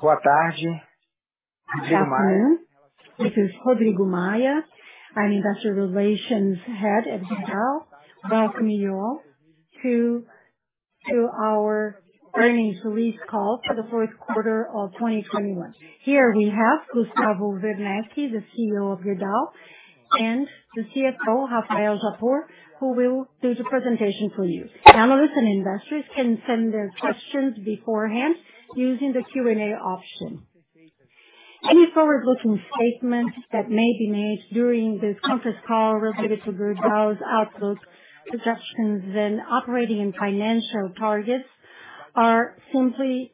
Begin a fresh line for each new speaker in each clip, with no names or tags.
Good afternoon. This is Rodrigo Maia. I'm Investor Relations Head at Gerdau. Welcome you all to our earnings release call for the fourth quarter of 2021. Here we have Gustavo Werneck, the Chief Executive Officer of Gerdau, and the Chief Financial Officer, Rafael Japur, who will do the presentation for you. Analysts and investors can send their questions beforehand using the Q&A option. Any forward-looking statements that may be made during this conference call related to Gerdau's outlook, projections and operating and financial targets are simply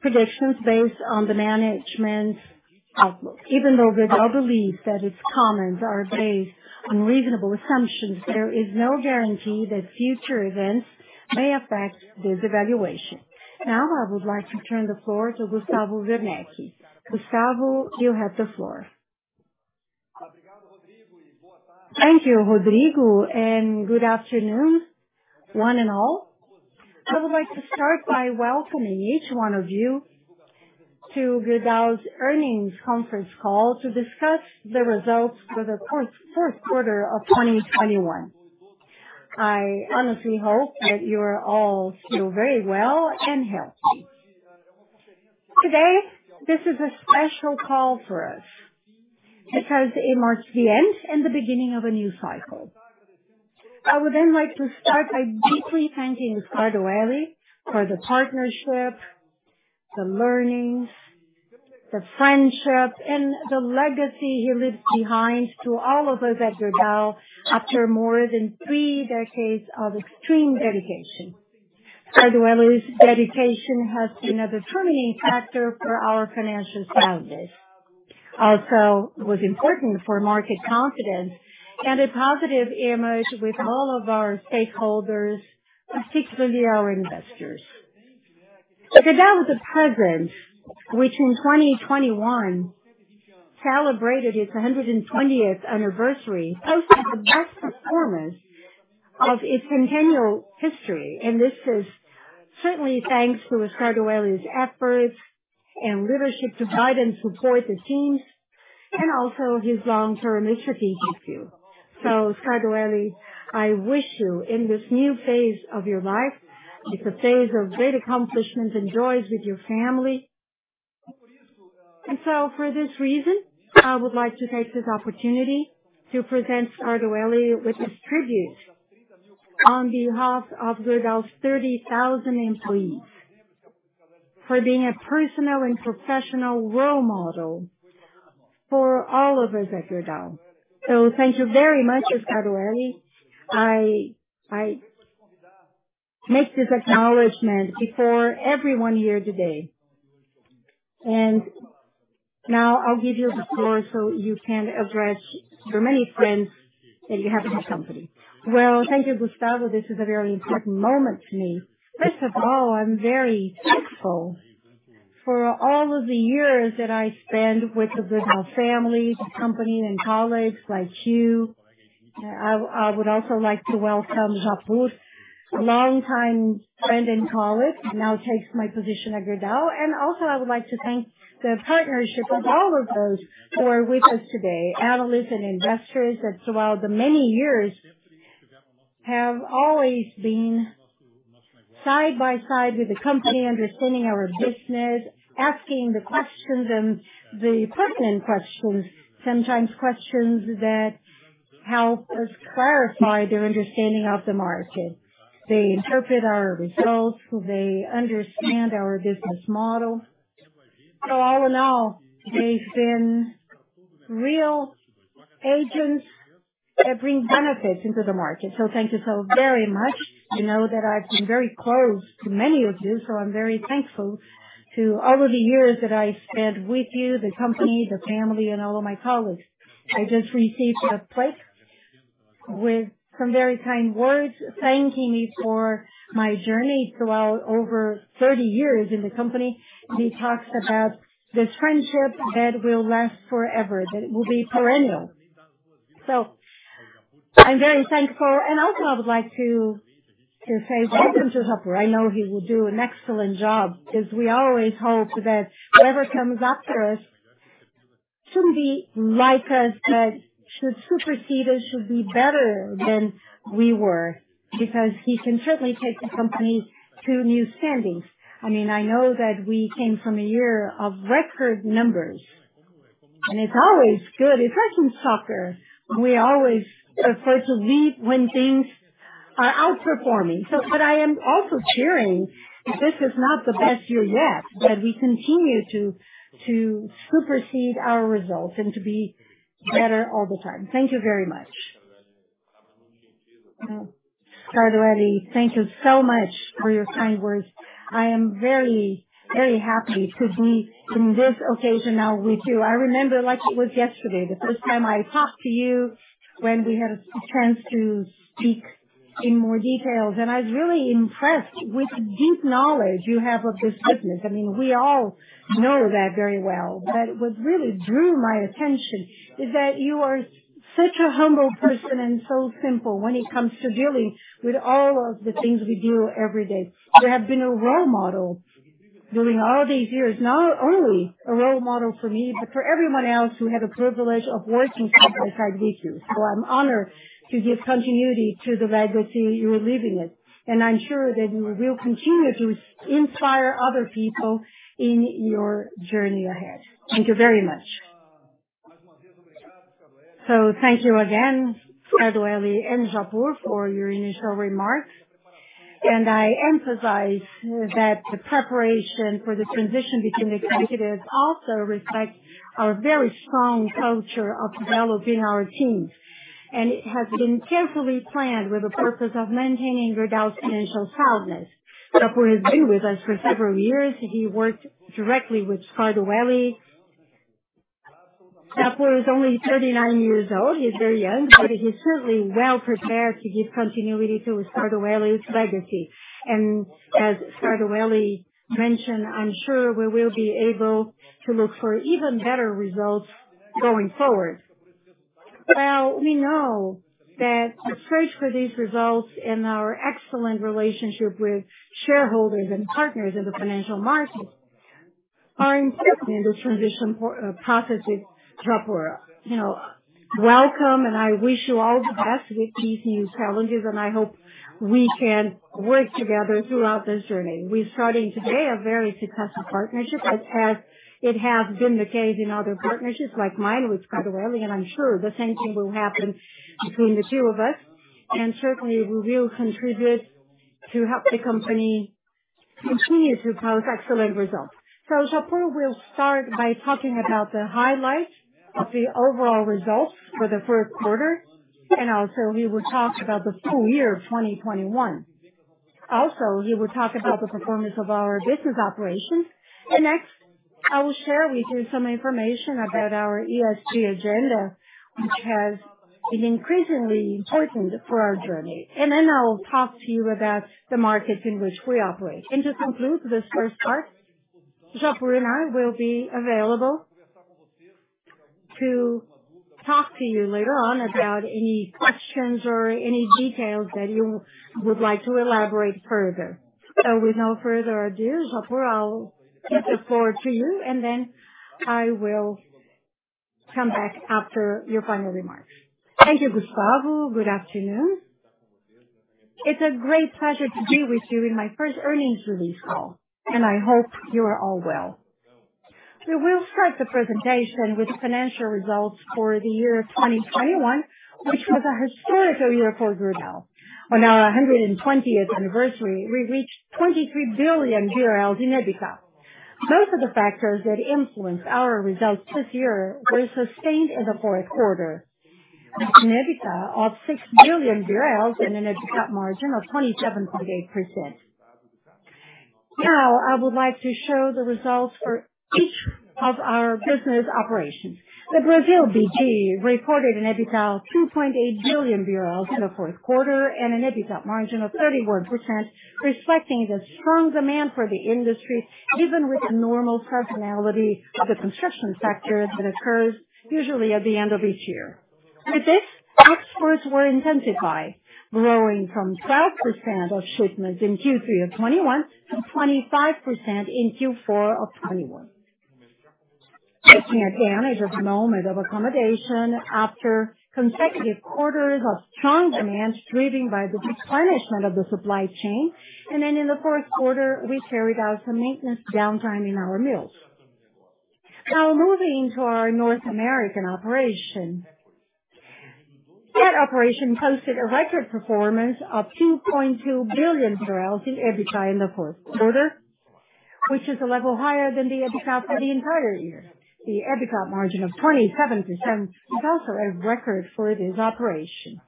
predictions based on the management outlook. Even though Gerdau believes that its comments are based on reasonable assumptions, there is no guarantee that future events may affect this evaluation. Now, I would like to turn the floor to Gustavo Werneck. Gustavo, you have the floor.
Thank you, Rodrigo, and good afternoon, one and all. I would like to start by welcoming each one of you to Gerdau's earnings conference call to discuss the results for the fourth quarter of 2021. I honestly hope that you're all still very well and healthy. Today, this is a special call for us because it marks the end and the beginning of a new cycle. I would then like to start by deeply thanking Scardoelli for the partnership, the learnings, the friendship, and the legacy he leaves behind to all of us at Gerdau after more than three decades of extreme dedication. Scardoelli's dedication has been a determining factor for our financial soundness. It also was important for market confidence and a positive image with all of our stakeholders, particularly our investors. Gerdau is a presence which in 2021 celebrated its 120th anniversary, posted the best performance of its centennial history, and this is certainly thanks to Scardoelli's efforts and leadership to guide and support the teams, and also his long-term strategic view. Scardoelli, I wish you in this new phase of your life, it's a phase of great accomplishments and joys with your family. For this reason, I would like to take this opportunity to present Scardoelli with this tribute on behalf of Gerdau's 30,000 employees, for being a personal and professional role model for all of us at Gerdau. Thank you very much, Scardoelli. I make this acknowledgement before everyone here today. Now I'll give you the floor so you can address your many friends that you have in this company.
Well, thank you, Gustavo. This is a very important moment to me. First of all, I'm very thankful for all of the years that I spent with the Gerdau family, the company and colleagues like you. I would also like to welcome Japur, longtime friend and colleague, now takes my position at Gerdau. I would also like to thank the partnership of all of those who are with us today, analysts and investors that throughout the many years have always been side by side with the company, understanding our business, asking the questions and the pertinent questions. Sometimes questions that help us clarify their understanding of the market. They interpret our results. They understand our business model. All in all, they've been real agents that bring benefits into the market. Thank you so very much. You know that I've been very close to many of you, so I'm very thankful to all of the years that I spent with you, the company, the family, and all of my colleagues. I just received a plaque with some very kind words thanking me for my journey throughout over 30 years in the company. He talks about the friendship that will last forever, that it will be perennial. I'm very thankful. Also I would like to say welcome to Japur. I know he will do an excellent job, as we always hope that whoever comes after us shouldn't be like us, but should supersede us, should be better than we were, because he can certainly take the company to new standings. I mean, I know that we came from a year of record numbers, and it's always good. It hurts to leave. We always prefer to leave when things are outperforming. I am also certain that this is not the best year yet, that we continue to supersede our results and to be better all the time. Thank you very much.
Scardoelli, thank you so much for your kind words. I am very, very happy to be in this occasion now with you. I remember like it was yesterday, the first time I talked to you when we had a chance to speak in more details, and I was really impressed with the deep knowledge you have of this business. I mean, we all know that very well, but what really drew my attention is that you are such a humble person and so simple when it comes to dealing with all of the things we deal every day. You have been a role model during all these years. Not only a role model for me, but for everyone else who had the privilege of working side by side with you. I'm honored to give continuity to the legacy you're leaving us, and I'm sure that you will continue to inspire other people in your journey ahead. Thank you very much.
Thank you again, Scardoelli and Japur, for your initial remarks. I emphasize that the preparation for the transition between the executives also reflects our very strong culture of developing our teams. It has been carefully planned with the purpose of maintaining Gerdau's financial soundness. Japur has been with us for several years. He worked directly with Scardoelli. Japur is only 39 years old. He's very young, but he's certainly well prepared to give continuity to Scardoelli's legacy. As Scardoelli mentioned, I'm sure we will be able to look for even better results going forward. Well, we know that the search for these results and our excellent relationship with shareholders and partners in the financial market are important in this transition process with Japur. You know, welcome, and I wish you all the best with these new challenges, and I hope we can work together throughout this journey. We're starting today a very successful partnership, as it has been the case in other partnerships like mine with Werneck, and I'm sure the same thing will happen between the two of us, and certainly we will contribute to help the company continue to post excellent results. Japur will start by talking about the highlights of the overall results for the first quarter, and also he will talk about the full year of 2021. Also, he will talk about the performance of our business operations. Next, I will share with you some information about our ESG agenda, which has been increasingly important for our journey. I'll talk to you about the markets in which we operate. To conclude this first part, Japur and I will be available to talk to you later on about any questions or any details that you would like to elaborate further. With no further ado, Japur, I'll give the floor to you, and then I will come back after your final remarks.
Thank you, Gustavo. Good afternoon. It's a great pleasure to be with you in my first earnings release call, and I hope you are all well. We will start the presentation with financial results for the year 2021, which was a historical year for Gerdau. On our 120th anniversary, we reached 23 billion in EBITDA. Most of the factors that influenced our results this year were sustained in the fourth quarter, an EBITDA of BRL 6 billion and an EBITDA margin of 27.8%. Now I would like to show the results for each of our business operations. The Brazil BD reported an EBITDA of BRL 2.8 billion in the fourth quarter and an EBITDA margin of 31%, reflecting the strong demand for the industry, even with the normal seasonality of the construction sector that occurs usually at the end of each year. With this, exports were intensified, growing from 12% of shipments in Q3 2021 to 25% in Q4 2021. Taking advantage of the moment of accommodation after consecutive quarters of strong demand driven by the replenishment of the supply chain. In the fourth quarter, we carried out some maintenance downtime in our mills. Now moving to our North America BD. That operation posted a record performance of 2.2 billion in EBITDA in the fourth quarter, which is a level higher than the EBITDA for the entire year. The EBITDA margin of 27% is also a record for this operation.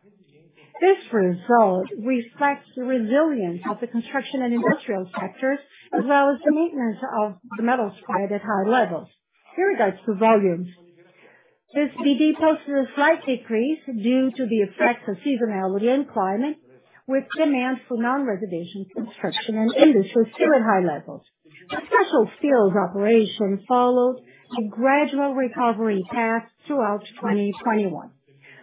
This result reflects the resilience of the construction and industrial sectors, as well as the maintenance of the metals spread at high levels. Regarding volumes, this BD posted a slight decrease due to the effects of seasonality and climate, with demand for non-residential construction and industrial still at high levels. The special steels operation followed a gradual recovery path throughout 2021.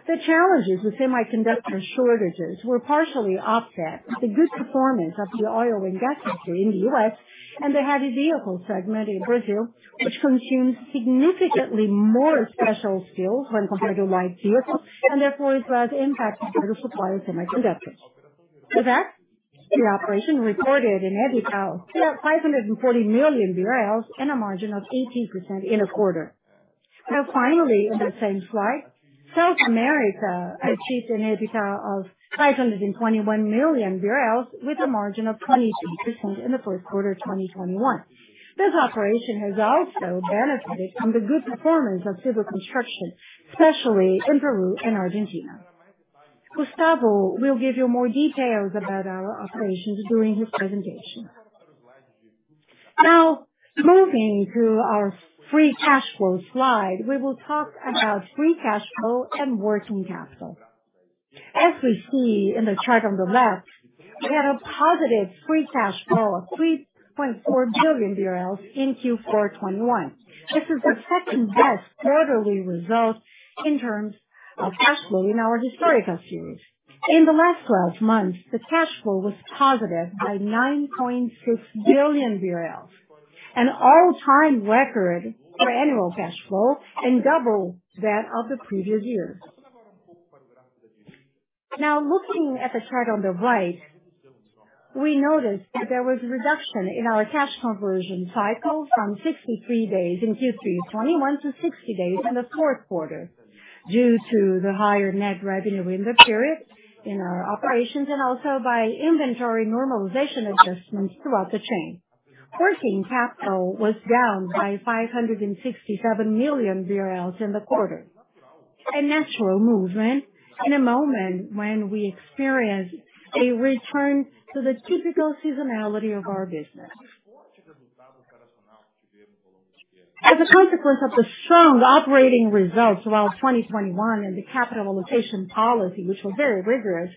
The challenges with semiconductor shortages were partially offset with the good performance of the oil and gas industry in the U.S. and the heavy vehicle segment in Brazil, which consumes significantly more special steels when compared to light vehicles, and therefore is less impacted by the supply of semiconductors. With that, the operation recorded an EBITDA of 540 million BRL and a margin of 18% in the quarter. Now finally, in the same slide, South America achieved an EBITDA of 521 million with a margin of 22% in the fourth quarter of 2021. This operation has also benefited from the good performance of civil construction, especially in Peru and Argentina. Gustavo will give you more details about our operations during his presentation. Now, moving to our free cash flow slide, we will talk about free cash flow and working capital. As we see in the chart on the left, we had a positive free cash flow of BRL 3.4 billion in Q4 2021. This is the second best quarterly result in terms of cash flow in our historical series. In the last 12 months, the cash flow was positive by 9.6 billion BRL, an all-time record for annual cash flow and double that of the previous year. Now looking at the chart on the right, we noticed that there was a reduction in our cash conversion cycle from 63 days in Q3 2021 to 60 days in the fourth quarter due to the higher net revenue in the period in our operations and also by inventory normalization adjustments throughout the chain. Working capital was down by 567 million BRL in the quarter, a natural movement in a moment when we experience a return to the typical seasonality of our business. As a consequence of the strong operating results throughout 2021 and the capital allocation policy, which was very rigorous,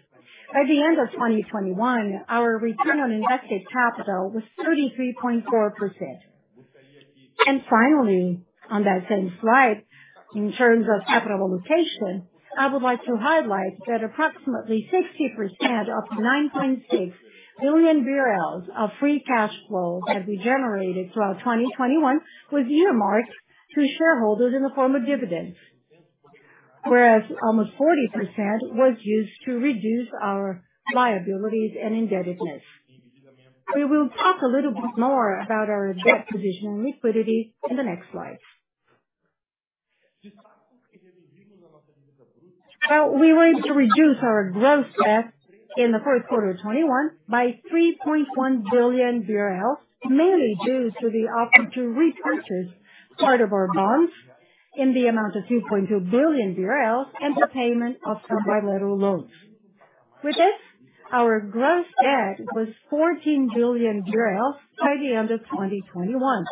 by the end of 2021, our return on invested capital was 33.4%. Finally, on that same slide, in terms of capital allocation, I would like to highlight that approximately 60% of 9.6 billion BRL of free cash flow that we generated throughout 2021 was earmarked to shareholders in the form of dividends. Whereas almost 40% was used to reduce our liabilities and indebtedness. We will talk a little bit more about our debt position and liquidity in the next slide. We were able to reduce our gross debt in the first quarter of 2021 by 3.1 billion BRL, mainly due to the opportunity to repurchase part of our bonds in the amount of 2.2 billion BRL and the payment of some bilateral loans. With this, our gross debt was BRL 14 billion by the end of 2021,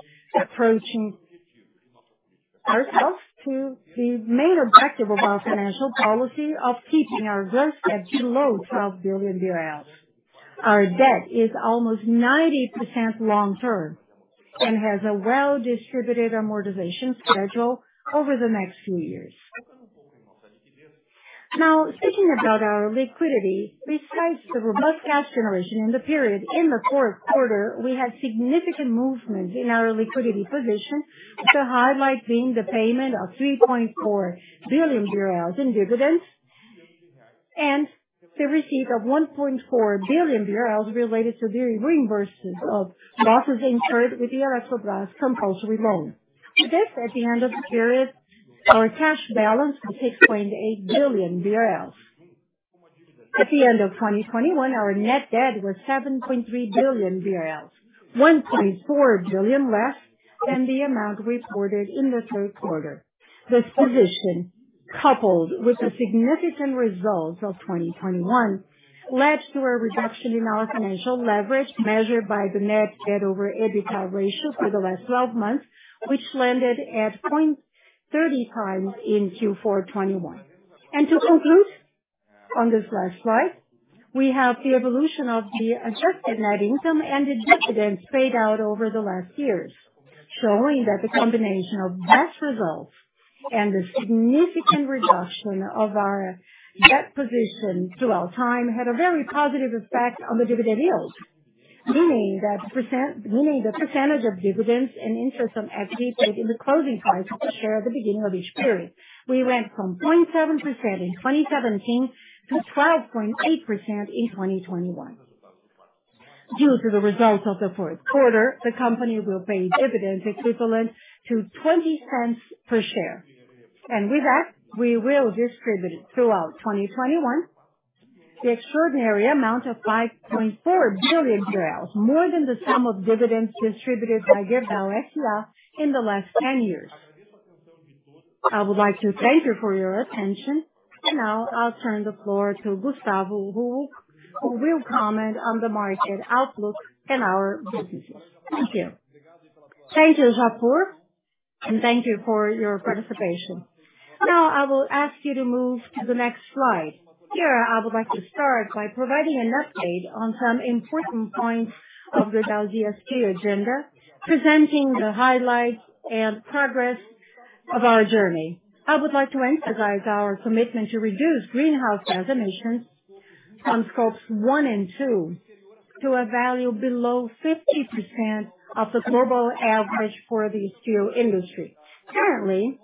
bringing ourselves to the main objective of our financial policy of keeping our gross debt below BRL 12 billion. Our debt is almost 90% long term and has a well-distributed amortization schedule over the next few years. Now, speaking about our liquidity, besides the robust cash generation in the period, in the fourth quarter, we had significant movement in our liquidity position. The highlight being the payment of 3.4 billion BRL in dividends and the receipt of 1.4 billion BRL related to the reimbursement of losses incurred with the Eletrobras compulsory loan. With this, at the end of the period, our cash balance was 6.8 billion BRL. At the end of 2021, our net debt was 7.3 billion BRL, 1.4 billion less than the amount reported in the third quarter. This position, coupled with the significant results of 2021, led to a reduction in our financial leverage, measured by the net debt over EBITDA ratio for the last twelve months, which landed at 0.30x in Q4 2021. To conclude on this last slide, we have the evolution of the adjusted net income and the dividends paid out over the last years, showing that the combination of best results and the significant reduction of our debt position over time had a very positive effect on the dividend yield. Meaning the percentage of dividends and interest on equity paid in the closing price of the share at the beginning of each period. We went from 0.7% in 2017 to 12.8% in 2021. Due to the results of the fourth quarter, the company will pay dividends equivalent to 0.20 per share. With that, we will distribute throughout 2021 the extraordinary amount of BRL 5.4 billion, more than the sum of dividends distributed by Gerdau S.A. in the last 10 years. I would like to thank you for your attention. Now I'll turn the floor to Gustavo, who will comment on the market outlook and our businesses. Thank you.
Thank you, Japur. Thank you for your participation. Now, I will ask you to move to the next slide. Here, I would like to start by providing an update on some important points of Gerdau's ESG agenda, presenting the highlights and progress of our journey. I would like to emphasize our commitment to reduce greenhouse gas emissions from Scopes 1 and 2 to a value below 50% of the global average for the steel industry. Currently,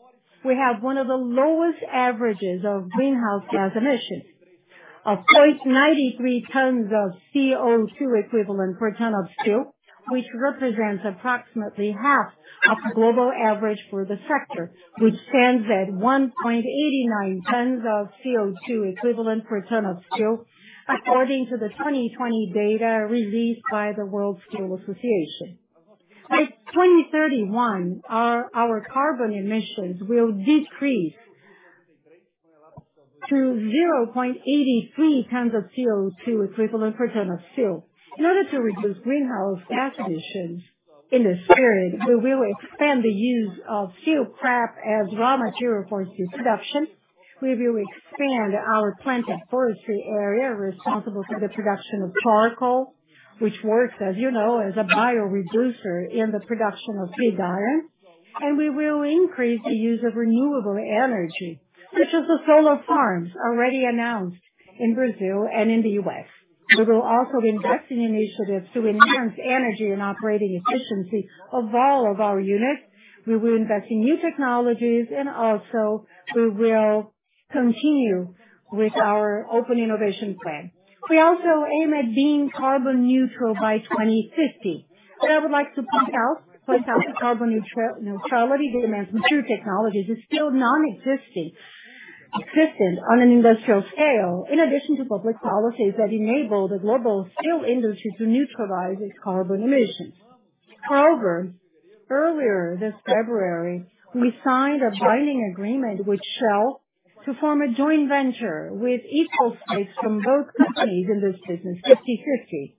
we have one of the lowest averages of greenhouse gas emissions of 0.93 tons of CO2 equivalent per ton of steel, which represents approximately half of the global average for the sector, which stands at 1.89 tons of CO2 equivalent per ton of steel, according to the 2020 data released by the World Steel Association. By 2031, our carbon emissions will decrease to 0.83 tons of CO2 equivalent per ton of steel. In order to reduce greenhouse gas emissions. In this spirit, we will expand the use of steel scrap as raw material for steel production. We will expand our planted forestry area responsible for the production of charcoal, which works, as you know, as a bio-reducer in the production of pig iron, and we will increase the use of renewable energy, such as the solar farms already announced in Brazil and in the U.S. We will also be investing in initiatives to enhance energy and operating efficiency of all of our units. We will invest in new technologies, and also we will continue with our open innovation plan. We also aim at being carbon neutral by 2050. What I would like to point out, for example, carbon neutrality demands mature technologies that are still non-existent on an industrial scale, in addition to public policies that enable the global steel industry to neutralize its carbon emissions. However, earlier this February, we signed a binding agreement with Shell to form a joint venture with equal stakes from both companies in this business, 50/50,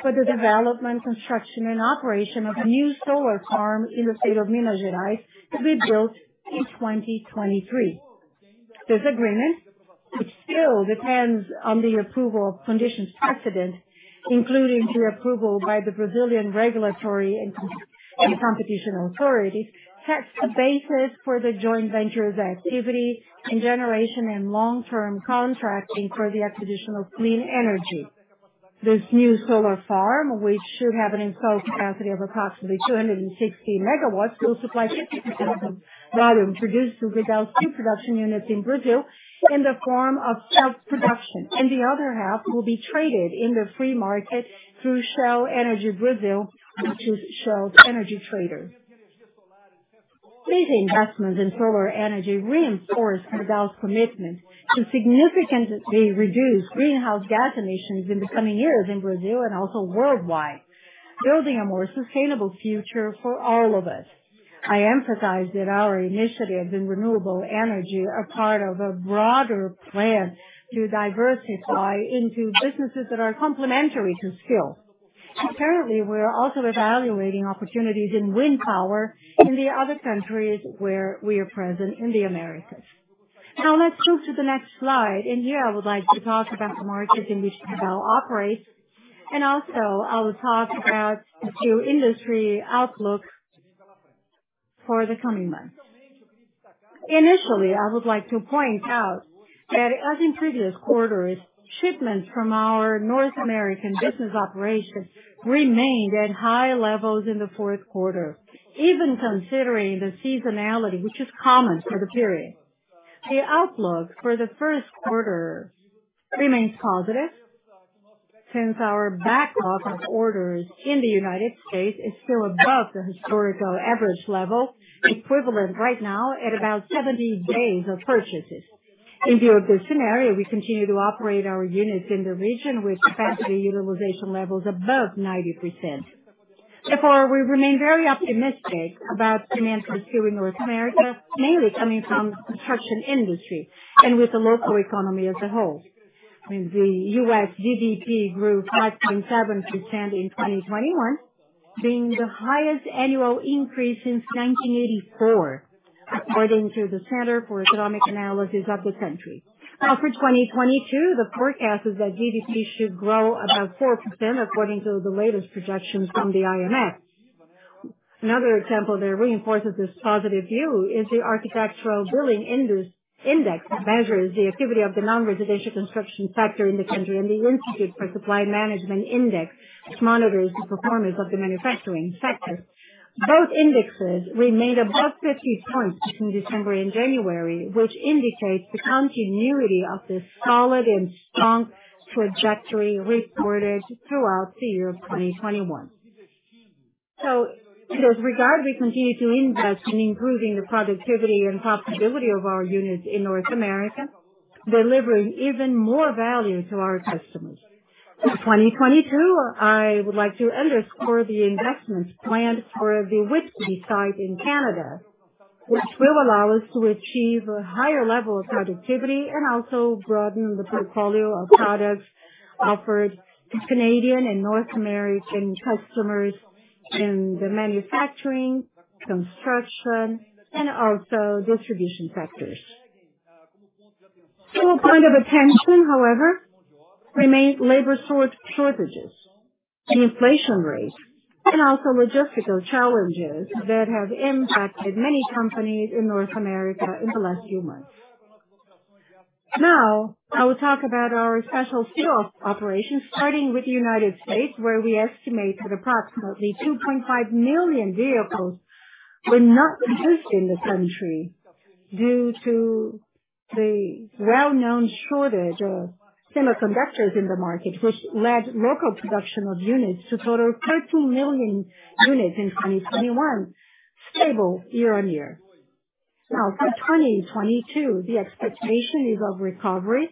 for the development, construction and operation of a new solar farm in the state of Minas Gerais to be built in 2023. This agreement, which still depends on the approval of conditions precedent, including the approval by the Brazilian regulatory and competition authorities, sets the basis for the joint venture's activity in generation and long-term contracting for the acquisition of clean energy. This new solar farm, which should have an installed capacity of approximately 260 MW, will supply 50% of the volume produced through Gerdau steel production units in Brazil in the form of self-production, and the other half will be traded in the free market through Shell Energy Brasil, which is Shell's energy trader. These investments in solar energy reinforce Gerdau's commitment to significantly reduce greenhouse gas emissions in the coming years in Brazil and also worldwide, building a more sustainable future for all of us. I emphasize that our initiatives in renewable energy are part of a broader plan to diversify into businesses that are complementary to steel. Currently, we are also evaluating opportunities in wind power in the other countries where we are present in the Americas. Now let's go to the next slide. In here, I would like to talk about the markets in which Gerdau operates, and also I will talk about the steel industry outlook for the coming months. Initially, I would like to point out that as in previous quarters, shipments from our North American business operations remained at high levels in the fourth quarter, even considering the seasonality, which is common for the period. The outlook for the first quarter remains positive since our backlog of orders in the United States is still above the historical average level, equivalent right now at about 70 days of purchases. In view of this scenario, we continue to operate our units in the region with capacity utilization levels above 90%. Therefore, we remain very optimistic about demand for steel in North America, mainly coming from construction industry and with the local economy as a whole. The U.S. GDP grew 5.7% in 2021, being the highest annual increase since 1984, according to the Bureau of Economic Analysis of the country. Now, for 2022, the forecast is that GDP should grow about 4% according to the latest projections from the IMF. Another example that reinforces this positive view is the Architecture Billings Index that measures the activity of the nonresidential construction sector in the country, and the Institute for Supply Management index, which monitors the performance of the manufacturing sector. Both indexes remained above 50 points between December and January, which indicates the continuity of the solid and strong trajectory reported throughout the year of 2021. With regard, we continue to invest in improving the productivity and profitability of our units in North America, delivering even more value to our customers. For 2022, I would like to underscore the investments planned for the Whitby site in Canada, which will allow us to achieve a higher level of productivity and also broaden the portfolio of products offered to Canadian and North American customers in the manufacturing, construction, and also distribution sectors. Still a point of attention, however, remains labor shortages and inflation rates and also logistical challenges that have impacted many companies in North America in the last few months. Now, I will talk about our special steel operations, starting with the United States, where we estimate that approximately 2.5 million vehicles were not produced in the country due to the well-known shortage of semiconductors in the market, which led local production of units to total 13 million units in 2021, stable year-on-year. Now, for 2022, the expectation is of recovery,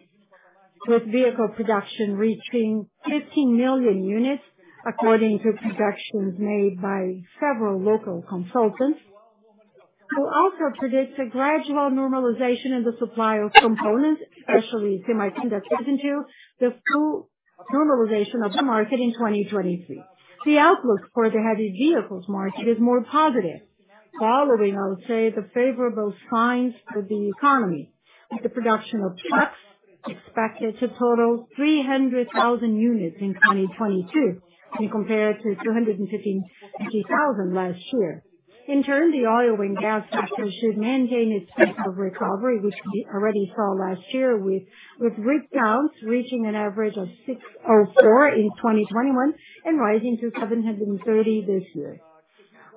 with vehicle production reaching 15 million units, according to projections made by several local consultants who also predicts a gradual normalization in the supply of components, especially semiconductors, into the full normalization of the market in 2023. The outlook for the heavy vehicles market is more positive following, I would say, the favorable signs for the economy, with the production of trucks expected to total 300,000 units in 2022, compared to 252,000 last year. In turn, the oil and gas sector should maintain its pace of recovery, which we already saw last year, with rig counts reaching an average of 604 in 2021 and rising to 730 this year.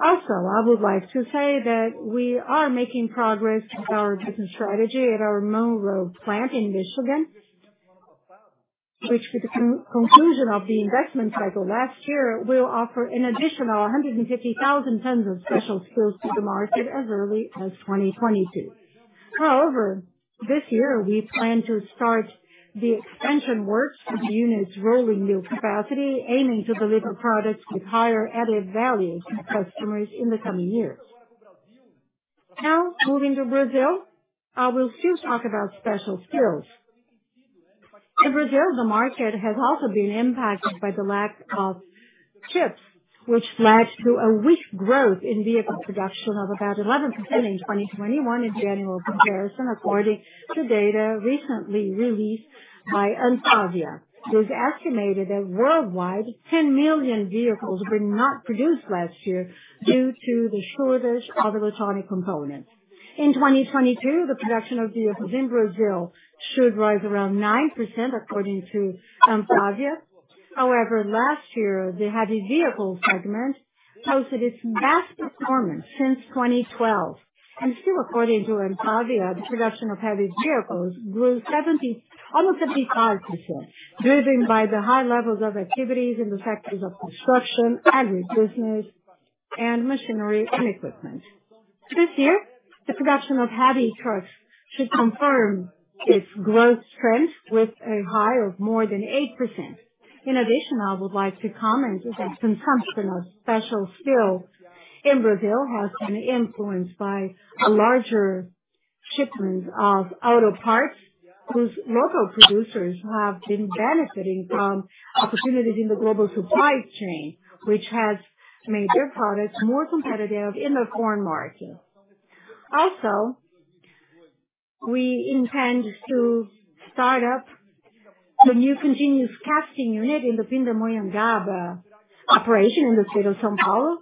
Also, I would like to say that we are making progress with our business strategy at our Monroe plant in Michigan, which with the conclusion of the investment cycle last year, will offer an additional 150,000 tons of special steels to the market as early as 2022. However, this year we plan to start the expansion works of the unit's rolling mill capacity, aiming to deliver products with higher added value to customers in the coming years. Now moving to Brazil, I will still talk about special steels. In Brazil, the market has also been impacted by the lack of chips, which led to a weak growth in vehicle production of about 11% in 2021 in general comparison, according to data recently released by ANFAVEA. It is estimated that worldwide 10 million vehicles were not produced last year due to the shortage of electronic components. In 2022, the production of vehicles in Brazil should rise around 9%, according to ANFAVEA. However, last year, the heavy vehicles segment posted its best performance since 2012. Still according to ANFAVEA, the production of heavy vehicles grew 70... almost 75%, driven by the high levels of activities in the sectors of construction, agribusiness, and machinery and equipment. This year, the production of heavy trucks should confirm its growth trend with a high of more than 8%. In addition, I would like to comment that consumption of special steel in Brazil has been influenced by larger shipments of auto parts, whose local producers have been benefiting from opportunities in the global supply chain, which has made their products more competitive in the foreign market. Also, we intend to start up the new continuous casting unit in the Pindamonhangaba operation in the state of São Paulo.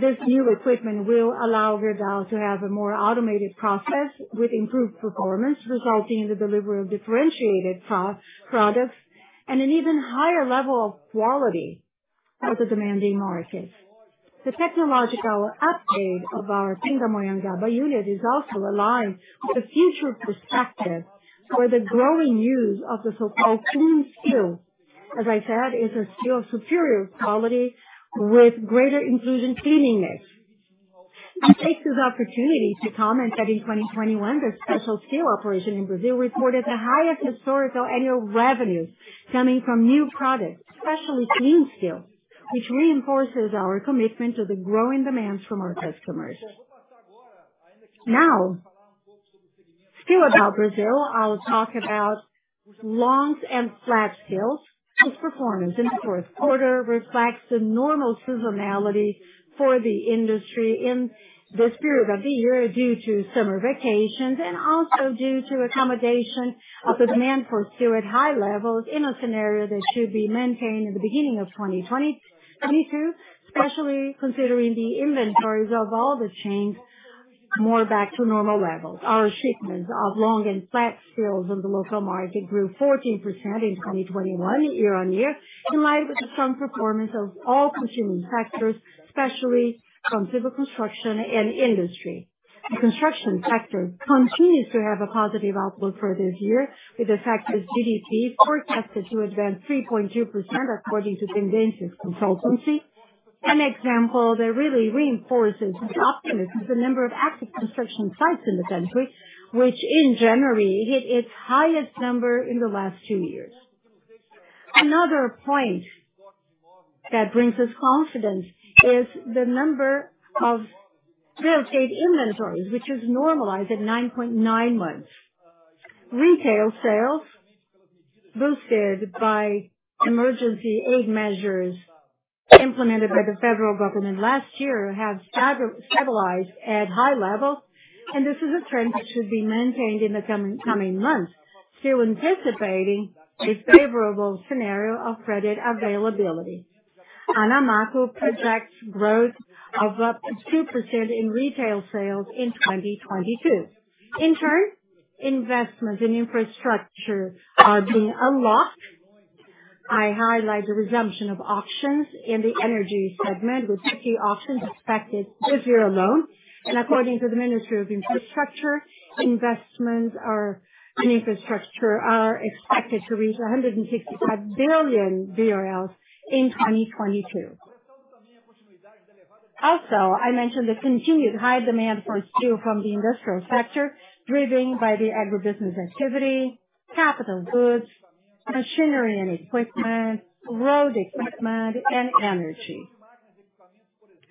This new equipment will allow Gerdau to have a more automated process with improved performance, resulting in the delivery of differentiated products and an even higher level of quality for the demanding markets. The technological upgrade of our Pindamonhangaba unit is also aligned with the future perspective for the growing use of the so-called clean steel. As I said, it's a steel of superior quality with greater inclusion cleanliness. I take this opportunity to comment that in 2021, the special steel operation in Brazil reported the highest historical annual revenues coming from new products, especially clean steel, which reinforces our commitment to the growing demands from our customers. Now, still about Brazil, I'll talk about long and flat steel. Its performance in the fourth quarter reflects the normal seasonality for the industry in this period of the year, due to summer vacations and also due to accommodation of the demand for steel at high levels in a scenario that should be maintained in the beginning of 2022, especially considering the inventories of all the chains more back to normal levels. Our shipments of long and flat steel in the local market grew 14% in 2021 year-over-year, in line with the strong performance of all consuming sectors, especially from civil construction and industry. The construction sector continues to have a positive outlook for this year, with the sector's GDP forecasted to advance 3.2% according to pendences consultancy. An example that really reinforces this optimism is the number of active construction sites in the country, which in January hit its highest number in the last two years. Another point that brings us confidence is the number of real estate inventories, which is normalized at 9.9 months. Retail sales boosted by emergency aid measures implemented by the federal government last year have stabilized at high levels, and this is a trend that should be maintained in the coming months, still anticipating a favorable scenario of credit availability. ANAMACO projects growth of up to 2% in retail sales in 2022. In turn, investments in infrastructure are being unlocked. I highlight the resumption of auctions in the energy segment, with 50 auctions expected this year alone. According to the Ministry of Infrastructure, investments in infrastructure are expected to reach 165 billion BRL in 2022. Also, I mentioned the continued high demand for steel from the industrial sector, driven by the agribusiness activity, capital goods. Machinery and equipment, road equipment, and energy.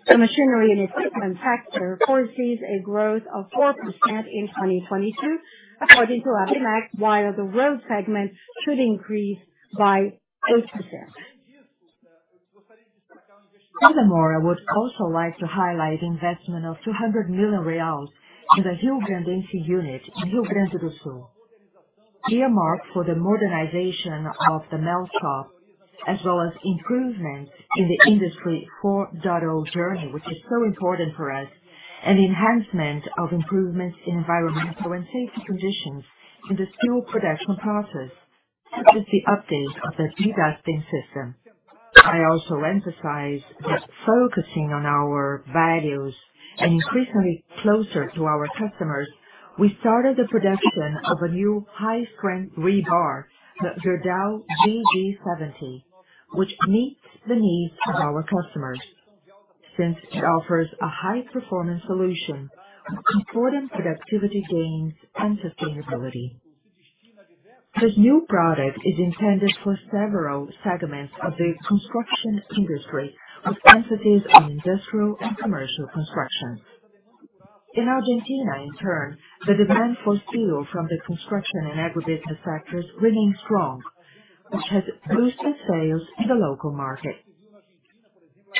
The machinery and equipment sector foresees a growth of 4% in 2022 according to ABIMAQ, while the road segment should increase by 8%. Furthermore, I would also like to highlight investment of 200 million reais in the Riograndense unit in Rio Grande do Sul, earmarked for the modernization of the melt shop, as well as improvements in the Industry 4.0 journey, which is so important for us, and the enhancement of improvements in environmental and safety conditions in the steel production process, such as the update of the dedusting system. I also emphasize that focusing on our values and increasingly closer to our customers, we started the production of a new high-strength rebar, the Gerdau GG 70, which meets the needs of our customers since it offers a high performance solution supporting productivity gains and sustainability. This new product is intended for several segments of the construction industry, with emphasis on industrial and commercial construction. In Argentina, in turn, the demand for steel from the construction and agribusiness sectors remains strong, which has boosted sales in the local market.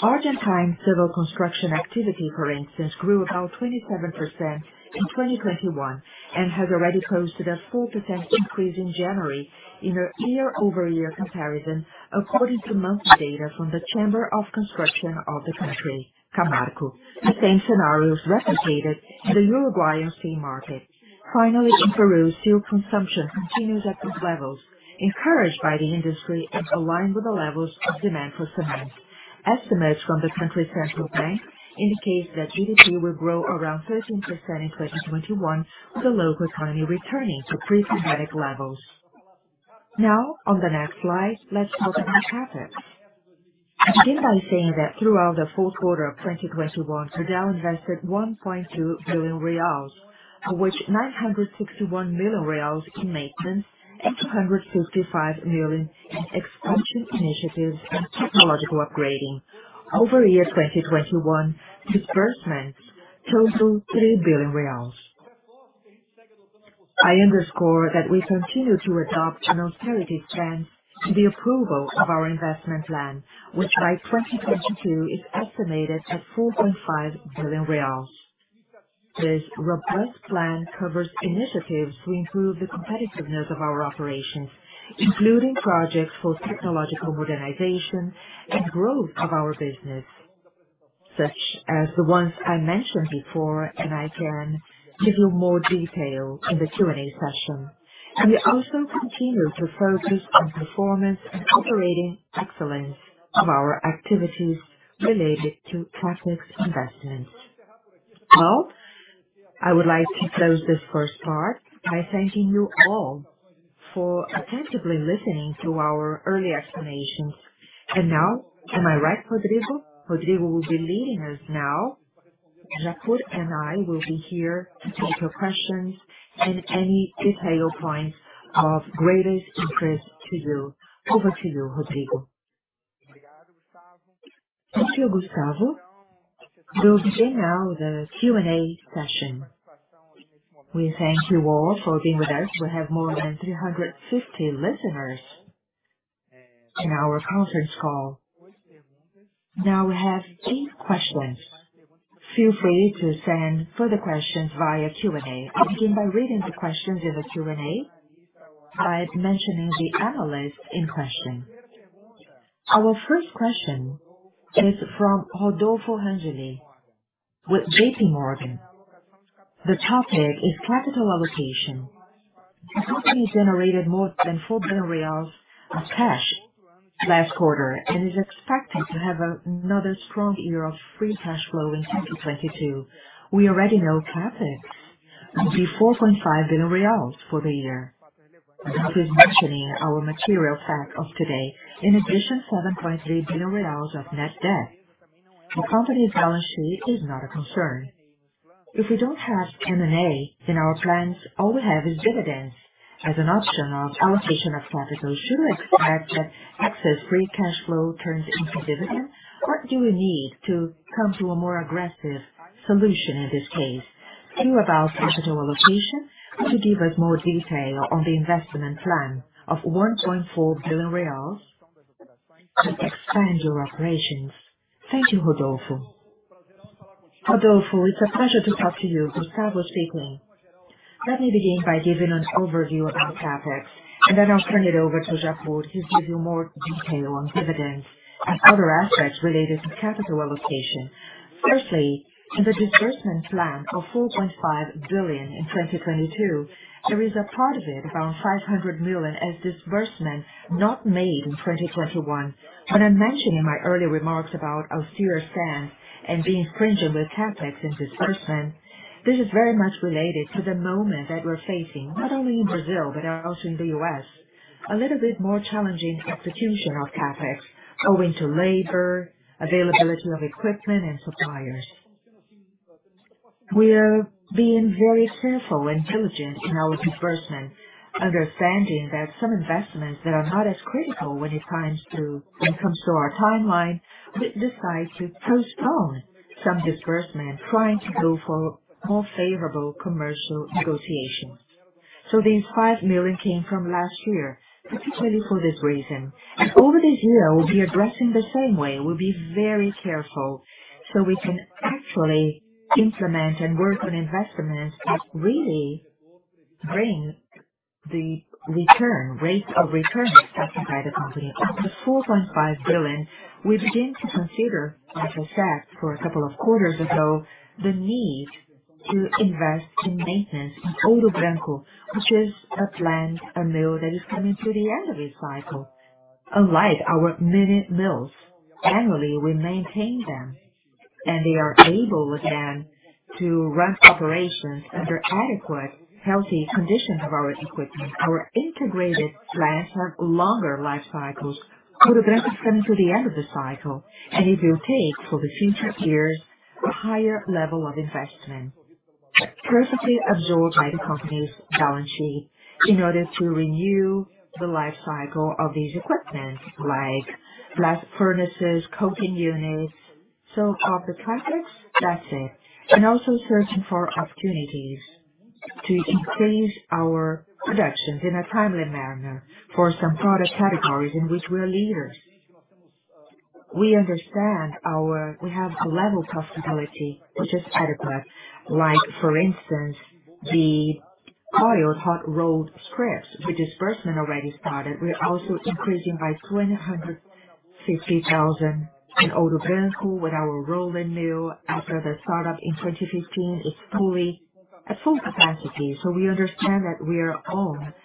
Argentine civil construction activity, for instance, grew about 27% in 2021 and has already posted a 4% increase in January in a year-over-year comparison, according to monthly data from the Chamber of Construction of the country, CAMARCO. The same scenario is replicated in the Uruguayan steel market. Finally, in Peru, steel consumption continues at peak levels, encouraged by the industry and aligned with the levels of demand for cement. Estimates from the country's central bank indicates that GDP will grow around 13% in 2021, with the local economy returning to pre-pandemic levels. Now, on the next slide, let's talk about CapEx. I begin by saying that throughout the fourth quarter of 2021, Gerdau invested 1.2 billion reais, of which 961 million reais in maintenance and 255 million in expansion initiatives and technological upgrading. Over 2021, disbursements total 3 billion reais. I underscore that we continue to adopt an austerity stance to the approval of our investment plan, which by 2022 is estimated at 4.5 billion reais. This robust plan covers initiatives to improve the competitiveness of our operations, including projects for technological modernization and growth of our business, such as the ones I mentioned before, and I can give you more detail in the Q&A session. We also continue to focus on performance and operating excellence of our activities related to CapEx investments. Well, I would like to close this first part by thanking you all for attentively listening to our early explanations. Now, am I right, Rodrigo? Rodrigo will be leading us now. Japur and I will be here to take your questions and any detailed points of greatest interest to you. Over to you, Rodrigo.
Thank you, Gustavo. We'll begin now the Q&A session. We thank you all for being with us. We have more than 350 listeners in our conference call. Now we have 8 questions. Feel free to send further questions via Q&A. I'll begin by reading the questions in the Q&A by mentioning the analyst in question. Our first question is from Rodolfo Angele with J.P. Morgan. The topic is capital allocation. The company generated more than 4 billion reais of cash last quarter and is expected to have another strong year of free cash flow in 2022. We already know CapEx will be 4.5 billion reais for the year. That was mentioned in our material fact of today. In addition, BRL 7.3 billion of net debt. The company's balance sheet is not a concern. If we don't have M&A in our plans, all we have is dividends as an option of allocation of capital. Should we expect that excess free cash flow turns into dividends? What do we need to come to a more aggressive solution in this case? Can you talk about capital allocation? Could you give us more detail on the investment plan of 1.4 billion reais to expand your operations? Thank you, Rodolfo.
Rodolfo, it's a pleasure to talk to you. Gustavo speaking. Let me begin by giving an overview of CapEx, and then I'll turn it over to Japur, who'll give you more detail on dividends and other aspects related to capital allocation. Firstly, in the disbursement plan of 4.5 billion in 2022, there is a part of it, around 500 million, as disbursement not made in 2021. When I mentioned in my earlier remarks about austere stance and being frugal on the CapEx and disbursement, this is very much related to the moment that we're facing, not only in Brazil but also in the U.S. A little bit more challenging execution of CapEx owing to labor, availability of equipment and suppliers. We are being very careful and diligent in our disbursement, understanding that some investments that are not as critical when it comes to our timeline, we decide to postpone some disbursement, trying to go for more favorable commercial negotiations. These 5 million came from last year, particularly for this reason. Over this year, we'll be addressing the same way. We'll be very careful so we can actually implement and work on investments that really bring the rates of return expected by the company. As for the 4.5 billion, we begin to consider, as I said, a couple of quarters ago, the need to invest in maintenance in Ouro Branco, which is a plant, a mill that is coming to the end of its cycle. Unlike our mini mills, annually, we maintain them, and they are able again to run operations under adequate, healthy conditions of our equipment. Our integrated plants have longer life cycles. Ouro Branco is coming to the end of the cycle, and it will take, for the future years, a higher level of investment, perfectly absorbed by the company's balance sheet, in order to renew the life cycle of these equipment like blast furnaces, coking units. Of the CapEx, that's it. Also searching for opportunities to increase our productions in a timely manner for some product categories in which we are leaders. We have a level of profitability which is adequate. Like, for instance, the coiled hot-rolled strips, the disbursement already started. We're also increasing by 260,000 in Ouro Branco with our rolling mill after the startup in 2015. It's fully at full capacity. We understand that we are on a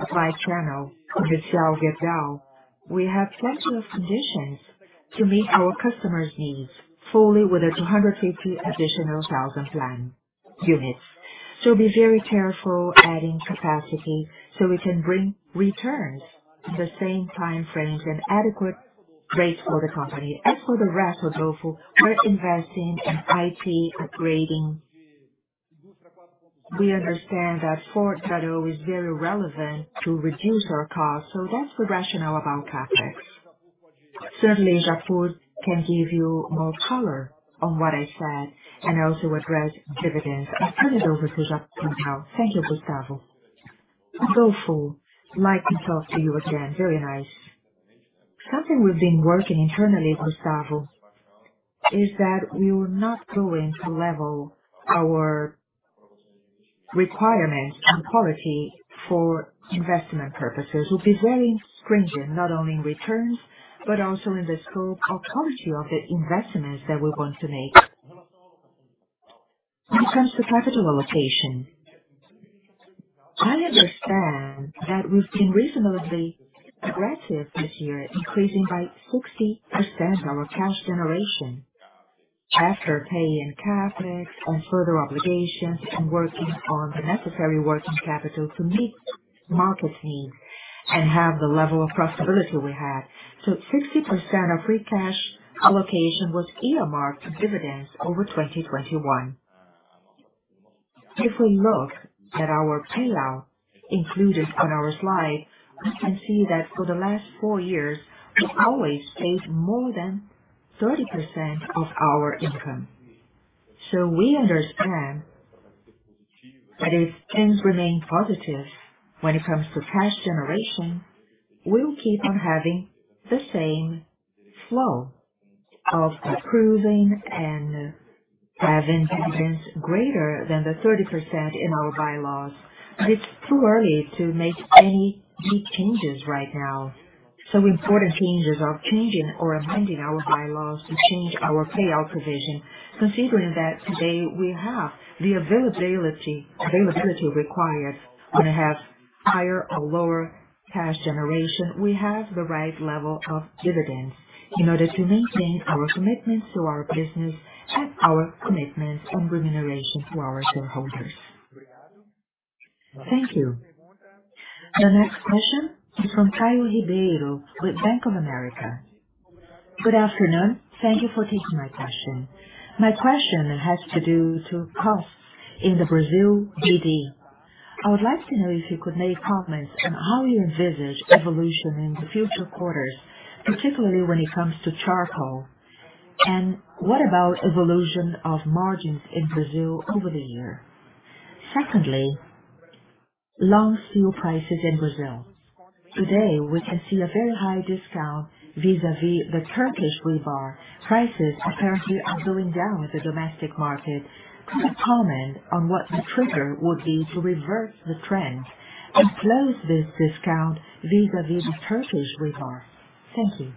supply chain with Shell, with Vale. We have plenty of conditions to meet our customers' needs fully with the 250,000 additional plant units. Be very careful adding capacity so we can bring returns in the same time frames and adequate rates for the company. As for the rest, Rodolfo, we're investing in IT upgrading. We understand that Forjados is very relevant to reduce our costs. That's the rationale about CapEx. Certainly, Rafael Japur can give you more color on what I said and also address dividends. I'll turn it over to Japur now.
Thank you, Gustavo. Rodolfo, nice to talk to you again. Very nice. Something we've been working internally, Gustavo, is that we're not going to lower our requirements and quality for investment purposes. We'll be very stringent, not only in returns, but also in the scope or quality of the investments that we want to make. When it comes to capital allocation, I understand that we've been reasonably aggressive this year, increasing by 60% our cash generation after paying CapEx and further obligations and working on the necessary working capital to meet market needs and have the level of profitability we had. Sixty percent of free cash allocation was earmarked for dividends over 2021. If we look at our payout included on our slide, we can see that for the last 4 years, we always paid more than 30% of our income. We understand that if things remain positive when it comes to cash generation, we will keep on having the same flow of approving and having dividends greater than the 30% in our bylaws. It's too early to make any big changes right now. Some important changes are changing or amending our bylaws to change our payout provision, considering that today we have the availability required when we have higher or lower cash generation. We have the right level of dividends in order to maintain our commitments to our business and our commitments on remuneration to our shareholders.
Thank you. The next question is from Caio Ribeiro with Bank of America. Good afternoon. Thank you for taking my question. My question has to do with costs in the Brazil BD. I would like to know if you could make comments on how you envisage evolution in the future quarters, particularly when it comes to charcoal. And what about evolution of margins in Brazil over the year? Secondly, long steel prices in Brazil. Today, we can see a very high discount vis-à-vis the Turkish rebar. Prices currently are going down in the domestic market. Could you comment on what the trigger would be to reverse the trend and close this discount vis-à-vis the Turkish rebar? Thank you.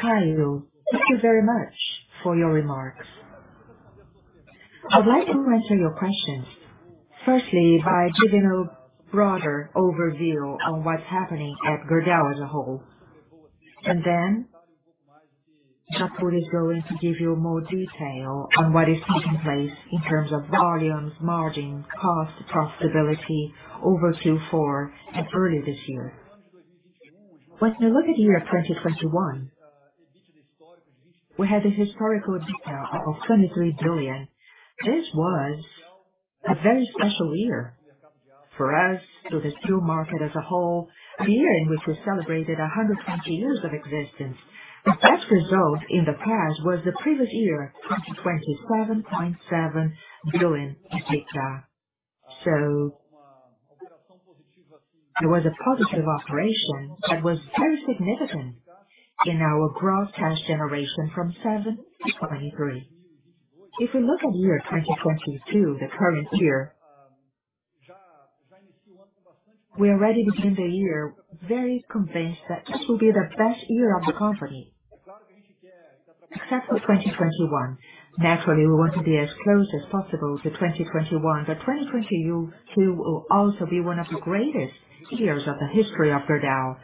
Caio, thank you very much for your remarks. I'd like to answer your questions, firstly, by giving a broader overview on what's happening at Gerdau as a whole. Japur is going to give you more detail on what is taking place in terms of volumes, margins, cost, profitability over Q4 and early this year. Once we look at year 2021, we had a historical EBITDA of 23 billion. This was a very special year for us, to the steel market as a whole. The year in which we celebrated 120 years of existence. The best result in the past was the previous year, 2021, BRL 27.7 billion EBITDA. It was a positive operation that was very significant in our gross cash generation from 7 to 23. If we look at year 2022, the current year, we already begin the year very convinced that this will be the best year of the company, except for 2021. Naturally, we want to be as close as possible to 2021, but 2022 will also be one of the greatest years of the history of Gerdau.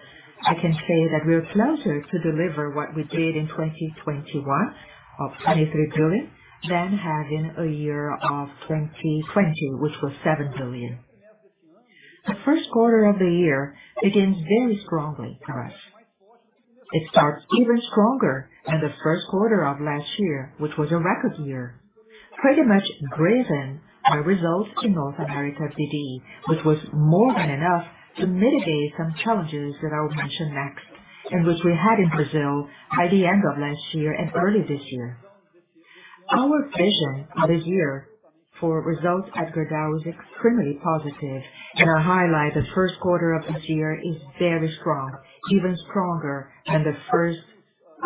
I can say that we're closer to deliver what we did in 2021 of 23 billion than having a year of 2020, which was 7 billion. The first quarter of the year begins very strongly for us. It starts even stronger than the first quarter of last year, which was a record year, pretty much driven by results in North America BD, which was more than enough to mitigate some challenges that I'll mention next, and which we had in Brazil by the end of last year and early this year. Our vision for this year for results at Gerdau is extremely positive. I highlight the first quarter of this year is very strong, even stronger than the first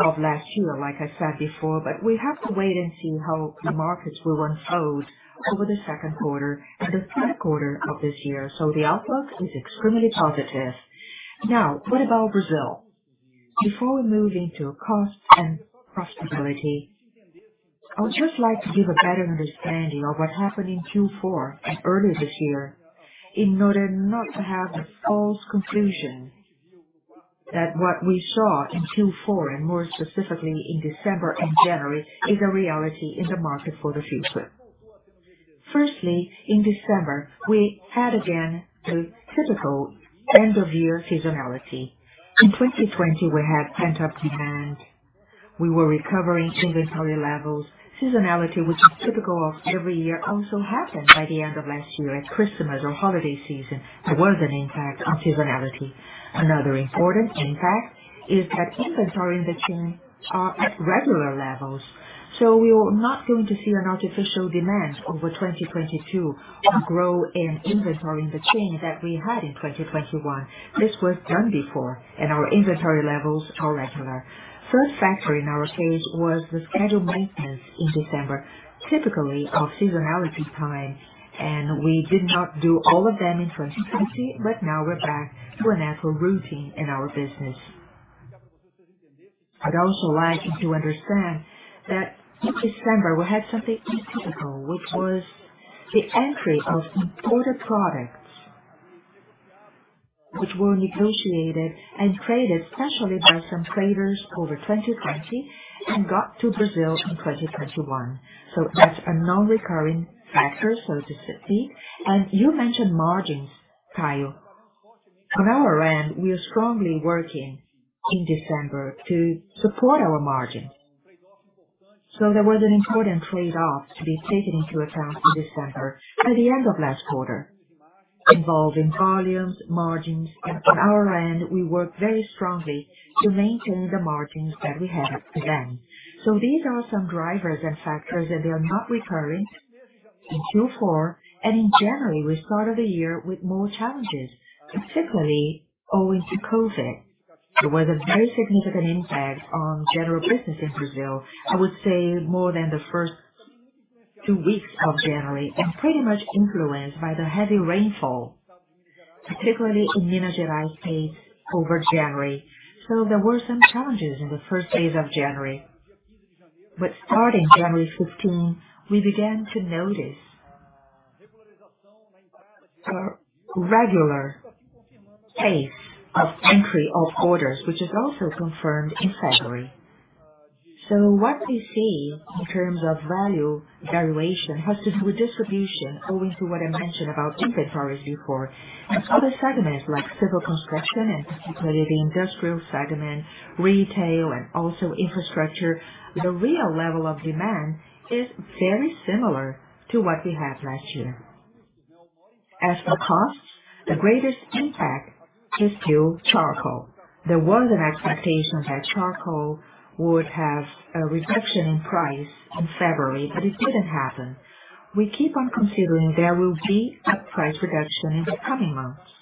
of last year, like I said before, but we have to wait and see how the markets will unfold over the second quarter and the third quarter of this year. The outlook is extremely positive. Now, what about Brazil? Before we move into cost and profitability, I would just like to give a better understanding of what happened in Q4 and earlier this year in order not to have the false conclusion that what we saw in Q4 and more specifically in December and January, is a reality in the market for the future. Firstly, in December, we had again the typical end of year seasonality. In 2020, we had pent-up demand. We were recovering inventory levels. Seasonality, which is typical of every year, also happened by the end of last year at Christmas or holiday season. There was an impact on seasonality. Another important impact is that inventory in the chain are at regular levels. We are not going to see an artificial demand over 2022 or growth in inventory in the chain that we had in 2021. This was done before and our inventory levels are regular. Third factor in our case was the scheduled maintenance in December, typically of seasonality time, and we did not do all of them in 2020. Now we're back to a natural routine in our business. I'd also like you to understand that in December we had something atypical, which was the entry of imported products, which were negotiated and traded, especially by some traders over 2020 and got to Brazil in 2021. That's a non-recurring factor, so to speak. You mentioned margins, Kyle. On our end, we are strongly working in December to support our margins. There was an important trade-off to be taken into account in December by the end of last quarter, involving volumes, margins. On our end, we work very strongly to maintain the margins that we had then. These are some drivers and factors that they are not recurring in Q4. In January, we started the year with more challenges, particularly owing to COVID. There was a very significant impact on general business in Brazil, I would say more than the first two weeks of January, and pretty much influenced by the heavy rainfall, particularly in Minas Gerais state over January. There were some challenges in the first phase of January. Starting January 15, we began to notice a regular pace of entry of orders, which is also confirmed in February. What we see in terms of value variation has to do with distribution. Owing to what I mentioned about inventories before and other segments like civil construction and particularly industrial segment, retail and also infrastructure, the real level of demand is very similar to what we had last year. As for costs, the greatest impact is to charcoal. There was an expectation that charcoal would have a reduction in price in February, but it didn't happen. We keep on considering there will be a price reduction in the coming months.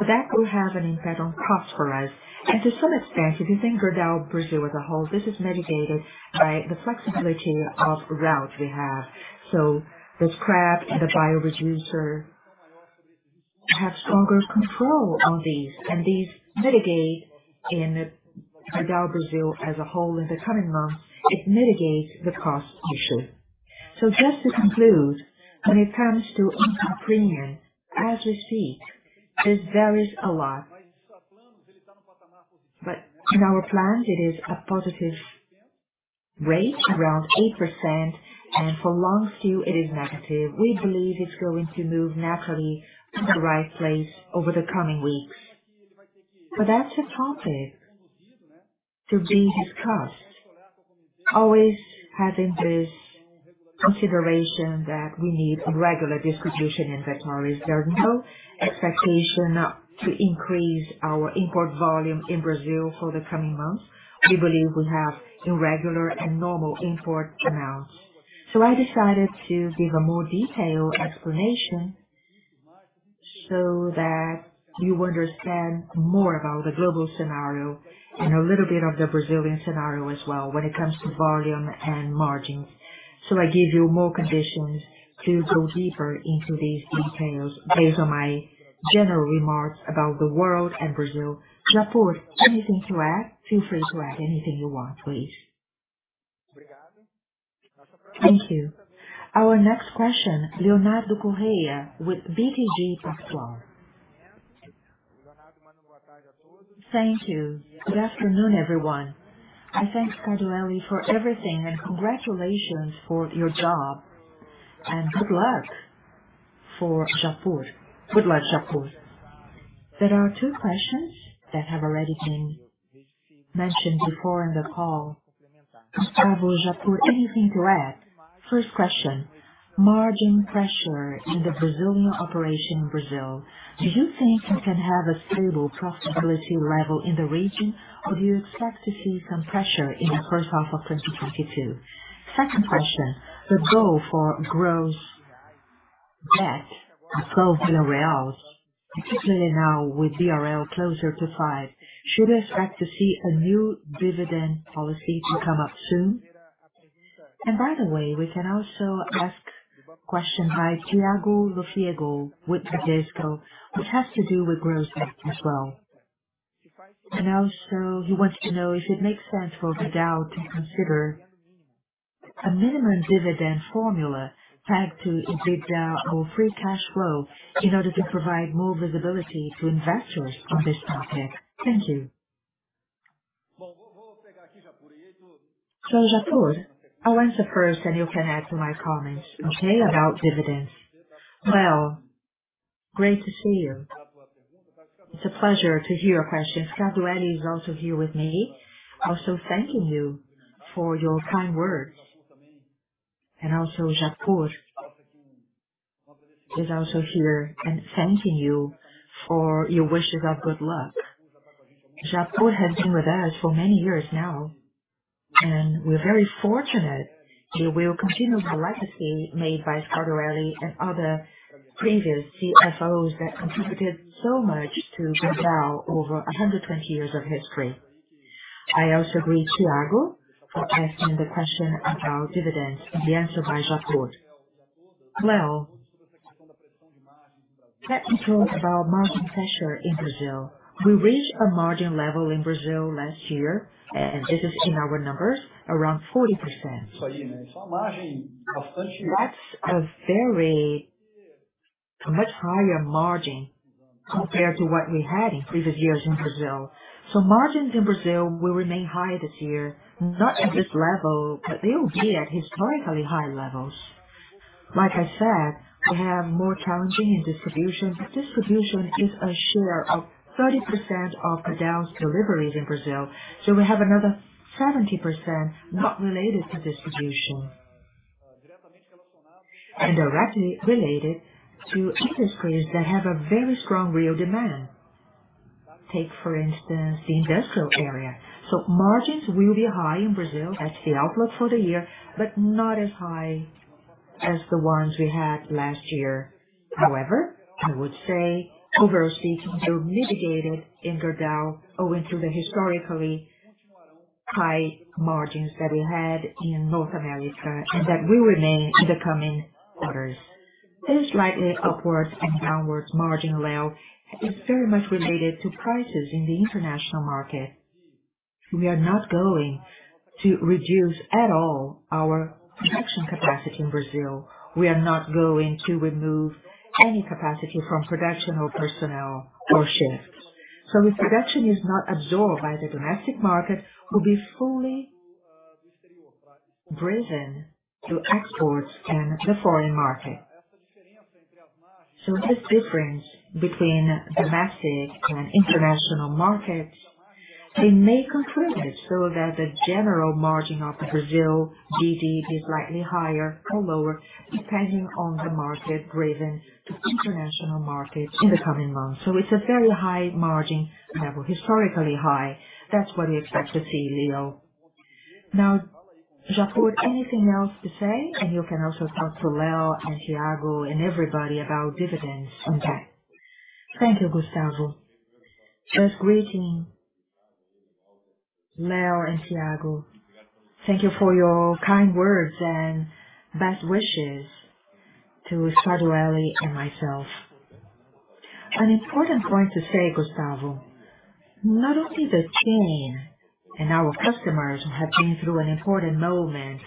That will have an impact on costs for us and to some extent, if you think Gerdau Brazil as a whole, this is mitigated by the flexibility of routes we have. The scrap and the bio-reducer have stronger control on these and these mitigate in Gerdau Brazil as a whole in the coming months, it mitigates the cost issue. Just to conclude, when it comes to import premium, as we see, this varies a lot. In our plans it is a positive rate around 8% and for long steel it is negative. We believe it's going to move naturally to the right place over the coming weeks. That's a topic to be discussed. Always having this consideration that we need regular distribution inventories, there's no expectation to increase our import volume in Brazil for the coming months, we believe we have in regular and normal import amounts. So I decided to give a more detail explanation so that you understand more about the global scenario and a little bit of the Brazilian scenario as well when it comes to volume and margins. So I gave you more conditions to go deeper into these details based on my general remarks about the world, and Brazil. Japur, anything to add. Feel free to add anything you want please.
Thank you. Our next question, Leonardo Correa with BTG Pactual. Thank you. Good afternoon, everyone. I thanks Scardoelli for everything and congratulations for your job and good luck. For Japur, good luck, Japur. There are two questions that have already been mentioned before in the call. Gustavo, Japur, anything to add. First question, margin pressure in the Brazilian operation in Brazil, do you think you can have a stable profitability level in the region or do you expect to see some pressure in the first half of 2022? Second question. The goal for gross debt of BRL 12 billion particularly now with BRL closer to five, should we expect to see a new dividend policy to come up soon? And by the way, we can also ask question by Thiago Lofiego with Bradesco which has to do with gross debt as well. And also, he wants to know if it makes sense for Gerdau to consider a minimum dividend formula back to EBITDA or free cash flow in order to provide more visibility to investors on this topic. Thank you.
So Japur, I'll answer first. And you can add to my comments. Okay. About dividends. Well great to see you. It's a pleasure to hear your question, Scardoelli is also here with me also thanking you for your kind words and also Japur is also here and thanking you for your wishes of good luck. Japur has been with us for many years now and we're very fortunate, he will continue the legacy made by Scardoelli and other previous CFOs that contributed so much to Gerdau over a 120 years of history. I also greet Thiago for asking the question about dividends to be answered by Japur. Well, let me talk about margin pressure in Brazil, we reached a margin level in Brazil last year and this is in our numbers around 40%, that's a very -- a much higher margin compared to what we had in previous years in Brazil. So margins in Brazil will remain high this year not at this level, but they will be at historically high levels, like I said, we have more challenging in distribution, but distribution is a share of 30% of Gerdau's deliveries in Brazil. So we have another 70% not related to distribution. And directly related to industries that have a very strong real demand, take for instance the industrial area. So margins will be high in Brazil that's the outlook for the year, but not as high as the ones we had last year, however, I would say, overall speaking, they were mitigated in Gerdau owing to the historically high margins that we had in North America and that will remain in the coming quarters. This slightly upwards and downwards margin level is very much related to prices in the international market. We are not going to reduce at all our production capacity in Brazil, we are not going to remove any capacity from production or personnel or shifts. So production is not absorbed by the domestic market will be fully driven to exports and the foreign market. So this difference between domestic and international markets, they may contribute so that the general margin of the Brazil BD be slightly higher or lower, depending on the market driven to international market in the coming months. So it's a very high margin level, historically high that's what we expect to see Leo. Now Japur anything else to say, and you can also talk to Leo and Thiago and everybody about dividends and debt.
Thank you, Gustavo. Just greeting Leo and Thiago. Thank you for your kind words and best wishes to Scardoelli and myself. An important point to say, Gustavo, not only the chain and our customers who have been through an important moment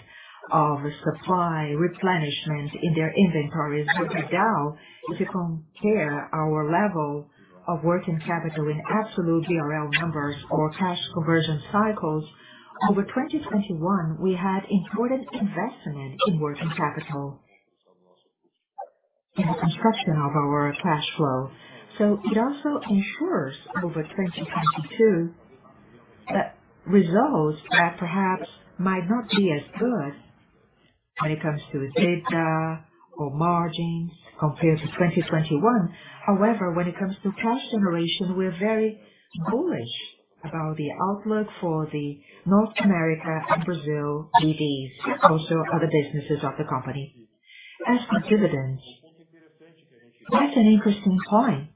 of supply replenishment in their inventories. Now, if you compare our level of working capital in absolute BRL numbers or cash conversion cycles over 2021, we had important investment in working capital in the construction of our cash flow. It also ensures over 2022 that results that perhaps might not be as good when it comes to EBITDA or margins compared to 2021. However, when it comes to cash generation, we're very bullish about the outlook for the North America BD and Brazil BD, also other businesses of the company. As for dividends, that's an interesting point.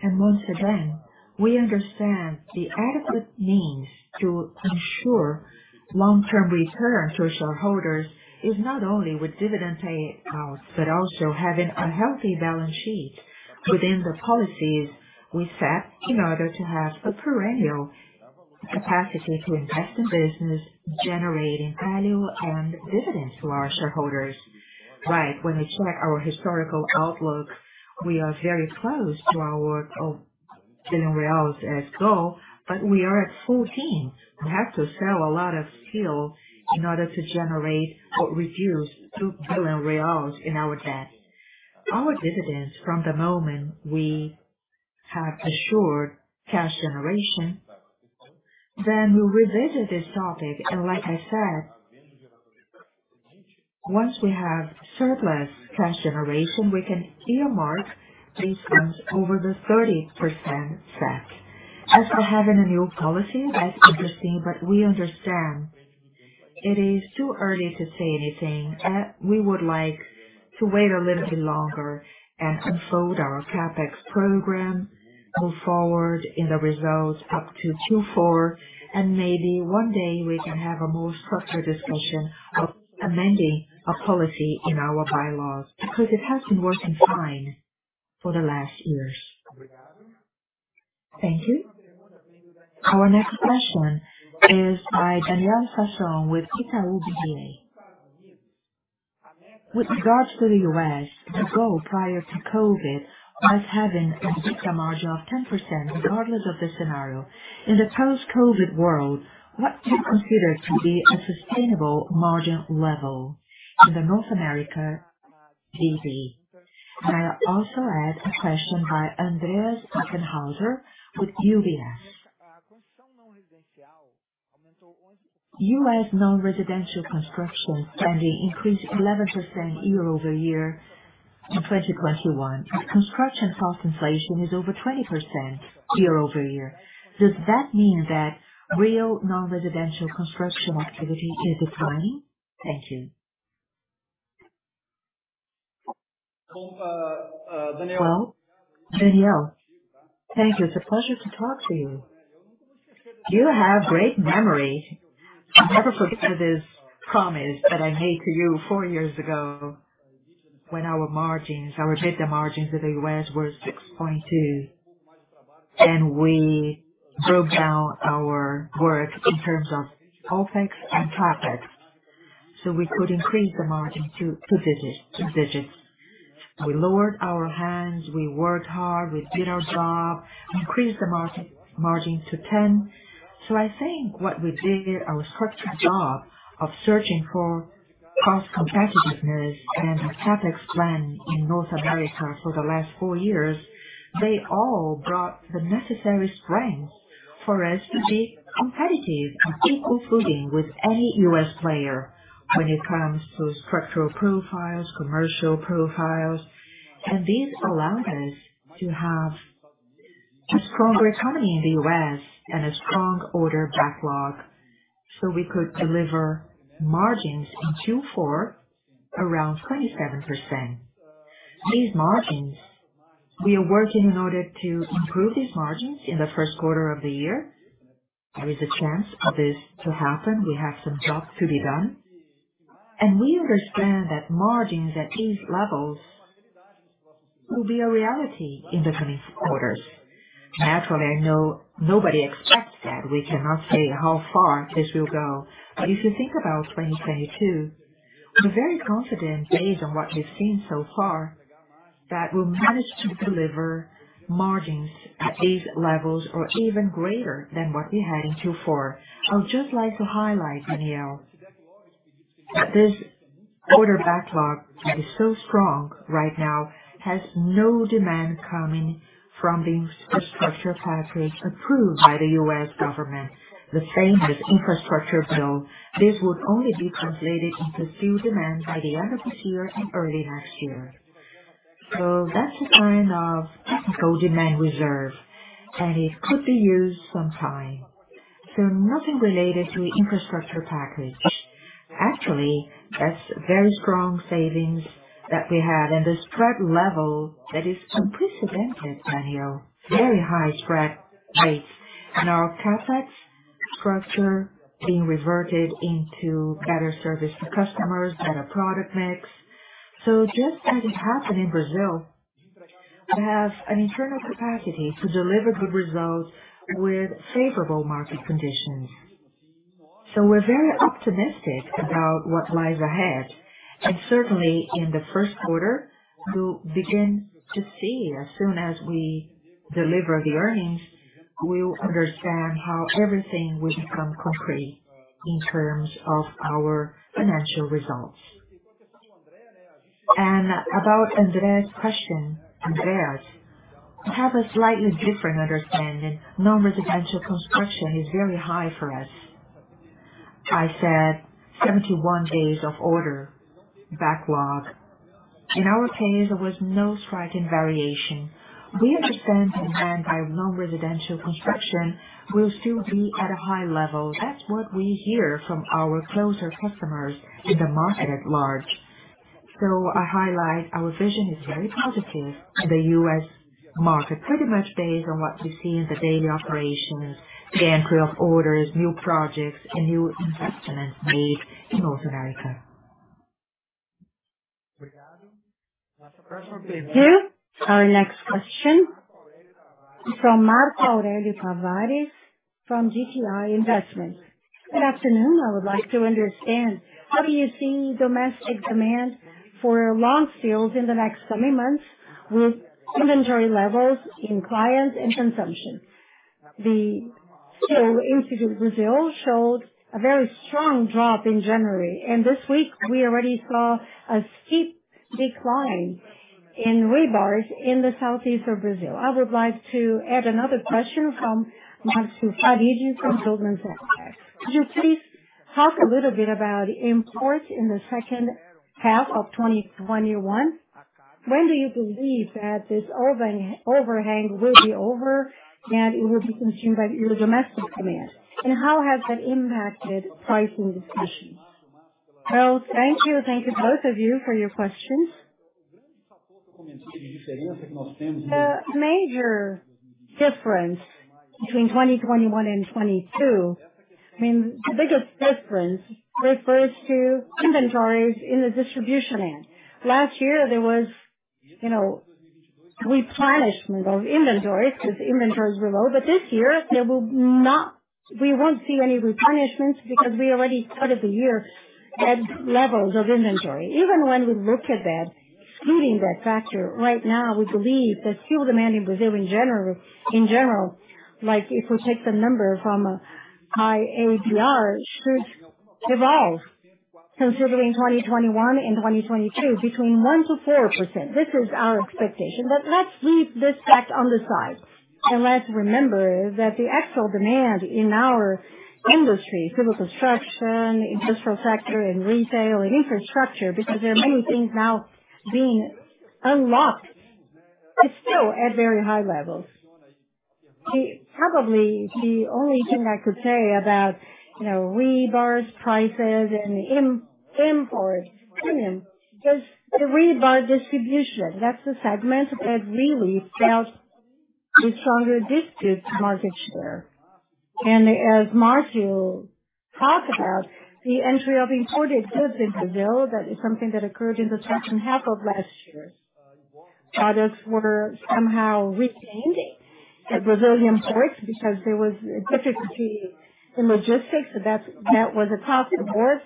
Once again, we understand the adequate means to ensure long-term return to shareholders is not only with dividend payouts, but also having a healthy balance sheet within the policies we set in order to have a perennial capacity to invest in business, generating value and dividends to our shareholders. Right. When you check our historical outlook, we are very close to our BRL 1 billion as goal, but we are at 14. We have to sell a lot of steel in order to generate or reduce 2 billion reais in our debt. Our dividends, from the moment we have assured cash generation, then we'll revisit this topic. Like I said, once we have surplus cash generation, we can earmark these funds over the 30% set. As for having a new policy, that's interesting, but we understand it is too early to say anything. We would like to wait a little bit longer and unfold our CapEx program, move forward in the results up to 2024, and maybe one day we can have a more structured discussion of amending a policy in our bylaws, because it has been working fine for the last years.
Thank you. Our next question is by Daniel Sasson with Itaú BBA. With regards to the U.S., the goal prior to COVID was having an EBITDA margin of 10%, regardless of the scenario. In the post-COVID world, what do you consider to be a sustainable margin level in the North America BD? May I also add a question by Andreas Bokkenheuser with UBS. U.S. non-residential construction spending increased 11% year-over-year in 2021. Construction cost inflation is over 20% year-over-year. Does that mean that real non-residential construction activity is declining? Thank you.
Well, Daniel, thank you. It's a pleasure to talk to you. You have great memory. I'll never forget this promise that I made to you 4 years ago when our margins, our EBITDA margins in the U.S. were 6.2%, and we broke down our work in terms of OpEx and CapEx, so we could increase the margin to two digits. We lowered our costs, we worked hard, we did our job, increased the margin to 10%. I think what we did, our structured job of searching for cost competitiveness and the CapEx plan in North America for the last 4 years, they all brought the necessary strength for us to be competitive on equal footing with any U.S. player when it comes to structural profiles, commercial profiles. This allowed us to have a stronger economy in the U.S. and a strong order backlog, so we could deliver margins in Q4 around 27%. These margins, we are working in order to improve these margins in the first quarter of the year. There is a chance of this to happen. We have some jobs to be done. We understand that margins at these levels will be a reality in the coming quarters. Naturally, I know nobody expects that. We cannot say how far this will go. If you think about 2022, we're very confident based on what we've seen so far, that we'll manage to deliver margins at these levels or even greater than what we had in Q4. I would just like to highlight, Daniel, that this order backlog that is so strong right now has no demand coming from the infrastructure package approved by the U.S. government. The same with infrastructure bill. This would only be translated into steel demand by the end of this year and early next year. That's a sign of technical demand reserve, and it could be used sometime. Nothing related to infrastructure package. Actually, that's very strong savings that we had and the spread level that is unprecedented, Daniel. Very high spread rates. Our CapEx structure being reverted into better service for customers, better product mix. Just as it happened in Brazil. We have an internal capacity to deliver good results with favorable market conditions. We're very optimistic about what lies ahead. Certainly in the first quarter, you'll begin to see as soon as we deliver the earnings, we'll understand how everything will become concrete in terms of our financial results. About Andreas's question, Andreas, I have a slightly different understanding. Non-residential construction is very high for us. I said 71 days of order backlog. In our case, there was no striking variation. We understand demand by non-residential construction will still be at a high level. That's what we hear from our closer customers in the market at large. I highlight our vision is very positive in the U.S. market, pretty much based on what we see in the daily operations, the entry of orders, new projects and new investments made in North America.
Thank you. Our next question from Marco Aurelio Tavares from GTI Investments. Good afternoon. I would like to understand how you see domestic demand for long steel in the next seven months with inventory levels in clients and consumption. The Brazilian Steel Institute showed a very strong drop in January, and this week we already saw a steep decline in rebars in the southeast of Brazil. I would like to add another question from Marco. Could you please talk a little bit about imports in the second half of 2021? When do you believe that this overhang will be over and it will be consumed by your domestic demand? And how has that impacted pricing discussions?
Well, thank you. Thank you, both of you, for your questions. The major difference between 2021 and 2022, I mean, the biggest difference refers to inventories in the distribution end. Last year there was, you know, replenishment of inventories because inventories were low. This year we won't see any replenishments because we already started the year at levels of inventory. Even when we look at that, excluding that factor, right now, we believe that steel demand in Brazil in general, like if we take the number from IABr, should evolve considerably in 2021 and 2022 between 1%-4%. This is our expectation. Let's leave this fact on the side and let's remember that the actual demand in our industry, civil construction, industrial sector, retail, infrastructure, because there are many things now being unlocked, is still at very high levels. Probably the only thing I could say about, you know, rebar prices and import premium, because the rebar distribution, that's the segment that really felt the stronger dispute for market share. As Marco talked about the entry of imported goods into Brazil, that is something that occurred in the second half of last year. Others were somehow retained at Brazilian ports because there was a difficulty in logistics. That was a positive work.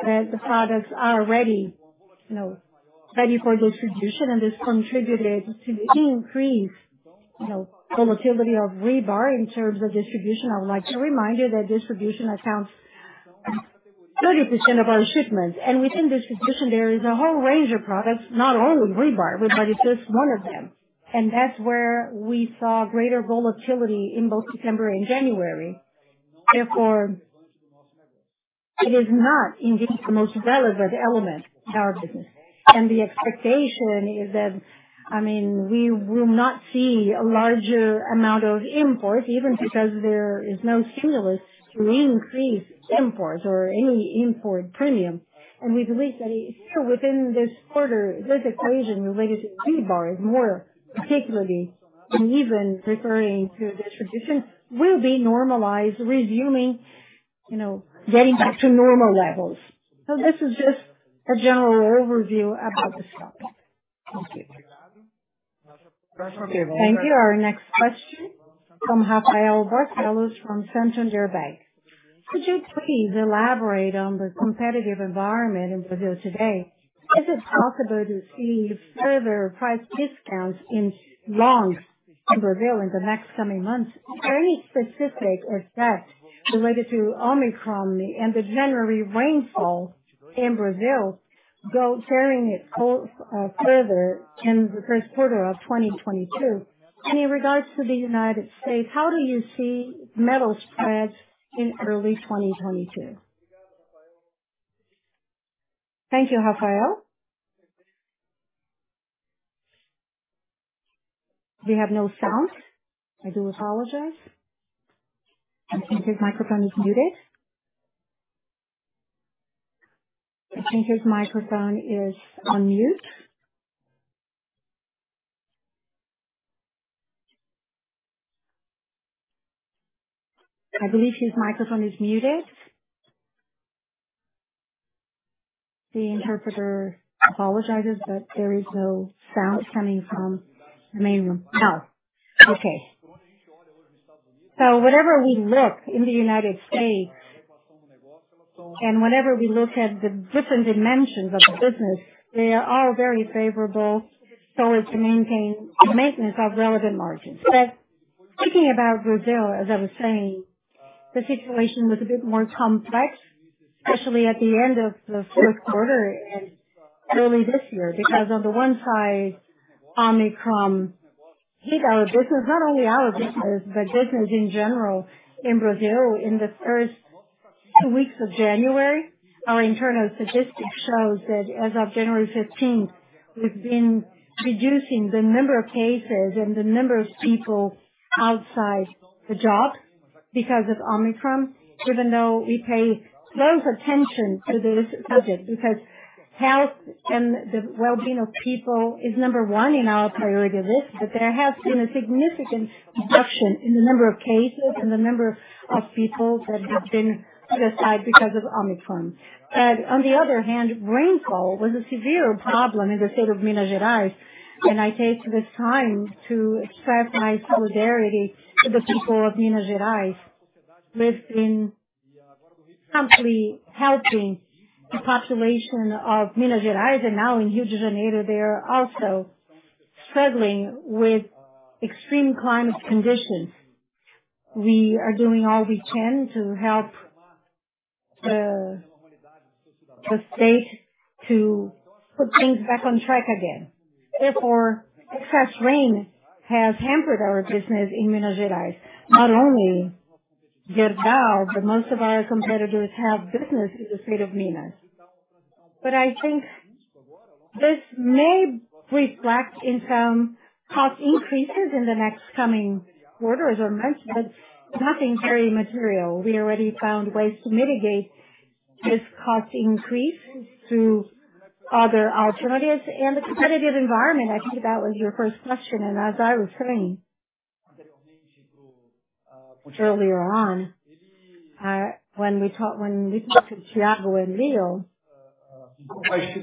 The products are ready, you know, ready for distribution. This contributed to the increased, you know, volatility of rebar in terms of distribution. I would like to remind you that distribution accounts for 30% of our shipments. Within distribution there is a whole range of products, not only rebar, but it's just one of them. That's where we saw greater volatility in both September and January. Therefore, it is not indeed the most relevant element in our business. The expectation is that, I mean, we will not see a larger amount of imports even because there is no stimulus to increase imports or any import premium. We believe that still within this quarter, this equation related to rebar more particularly, and even referring to distribution, will be normalized, resuming, you know, getting back to normal levels. This is just a general overview about this topic. Thank you.
Thank you. Our next question from Rafael Barcellos from Santander Bank. Could you please elaborate on the competitive environment in Brazil today? Is it possible to see further price discounts in longs in Brazil in the next coming months? Are any specific effects related to Omicron and the January rainfall in Brazil going to tear it further in the first quarter of 2022? In regards to the United States, how do you see metals spreads in early 2022?
Thank you, Rafael. We have no sound. I do apologize. I think his microphone is muted. I think his microphone is on mute. I believe his microphone is muted. The interpreter apologizes, but there is no sound coming from the main room. Oh, okay. Whenever we look in the United States and whenever we look at the different dimensions of the business, they are very favorable so as to maintain the maintenance of relevant margins. Speaking about Brazil, as I was saying, the situation was a bit more complex, especially at the end of the fourth quarter and early this year, because on the one side, Omicron hit our business, not only our business, but business in general in Brazil in the first two weeks of January. Our internal statistics shows that as of January 15th, we've been reducing the number of cases and the number of people outside the job because of Omicron, even though we pay close attention to this subject, because health and the well-being of people is number one in our priority list. There has been a significant reduction in the number of cases and the number of people that have been put aside because of Omicron. On the other hand, rainfall was a severe problem in the state of Minas Gerais. I take this time to express my solidarity to the people of Minas Gerais. We've been humbly helping the population of Minas Gerais, and now in Rio de Janeiro, they are also struggling with extreme climate conditions. We are doing all we can to help the state to put things back on track again. Therefore, excess rain has hampered our business in Minas Gerais. Not only Gerdau, but most of our competitors have business in the state of Minas Gerais. I think this may reflect in some cost increases in the next coming quarter, as I mentioned, but nothing very material. We already found ways to mitigate this cost increase through other alternatives. The competitive environment, I think that was your first question. As I was saying earlier on, when we talked to Thiago and Leo, it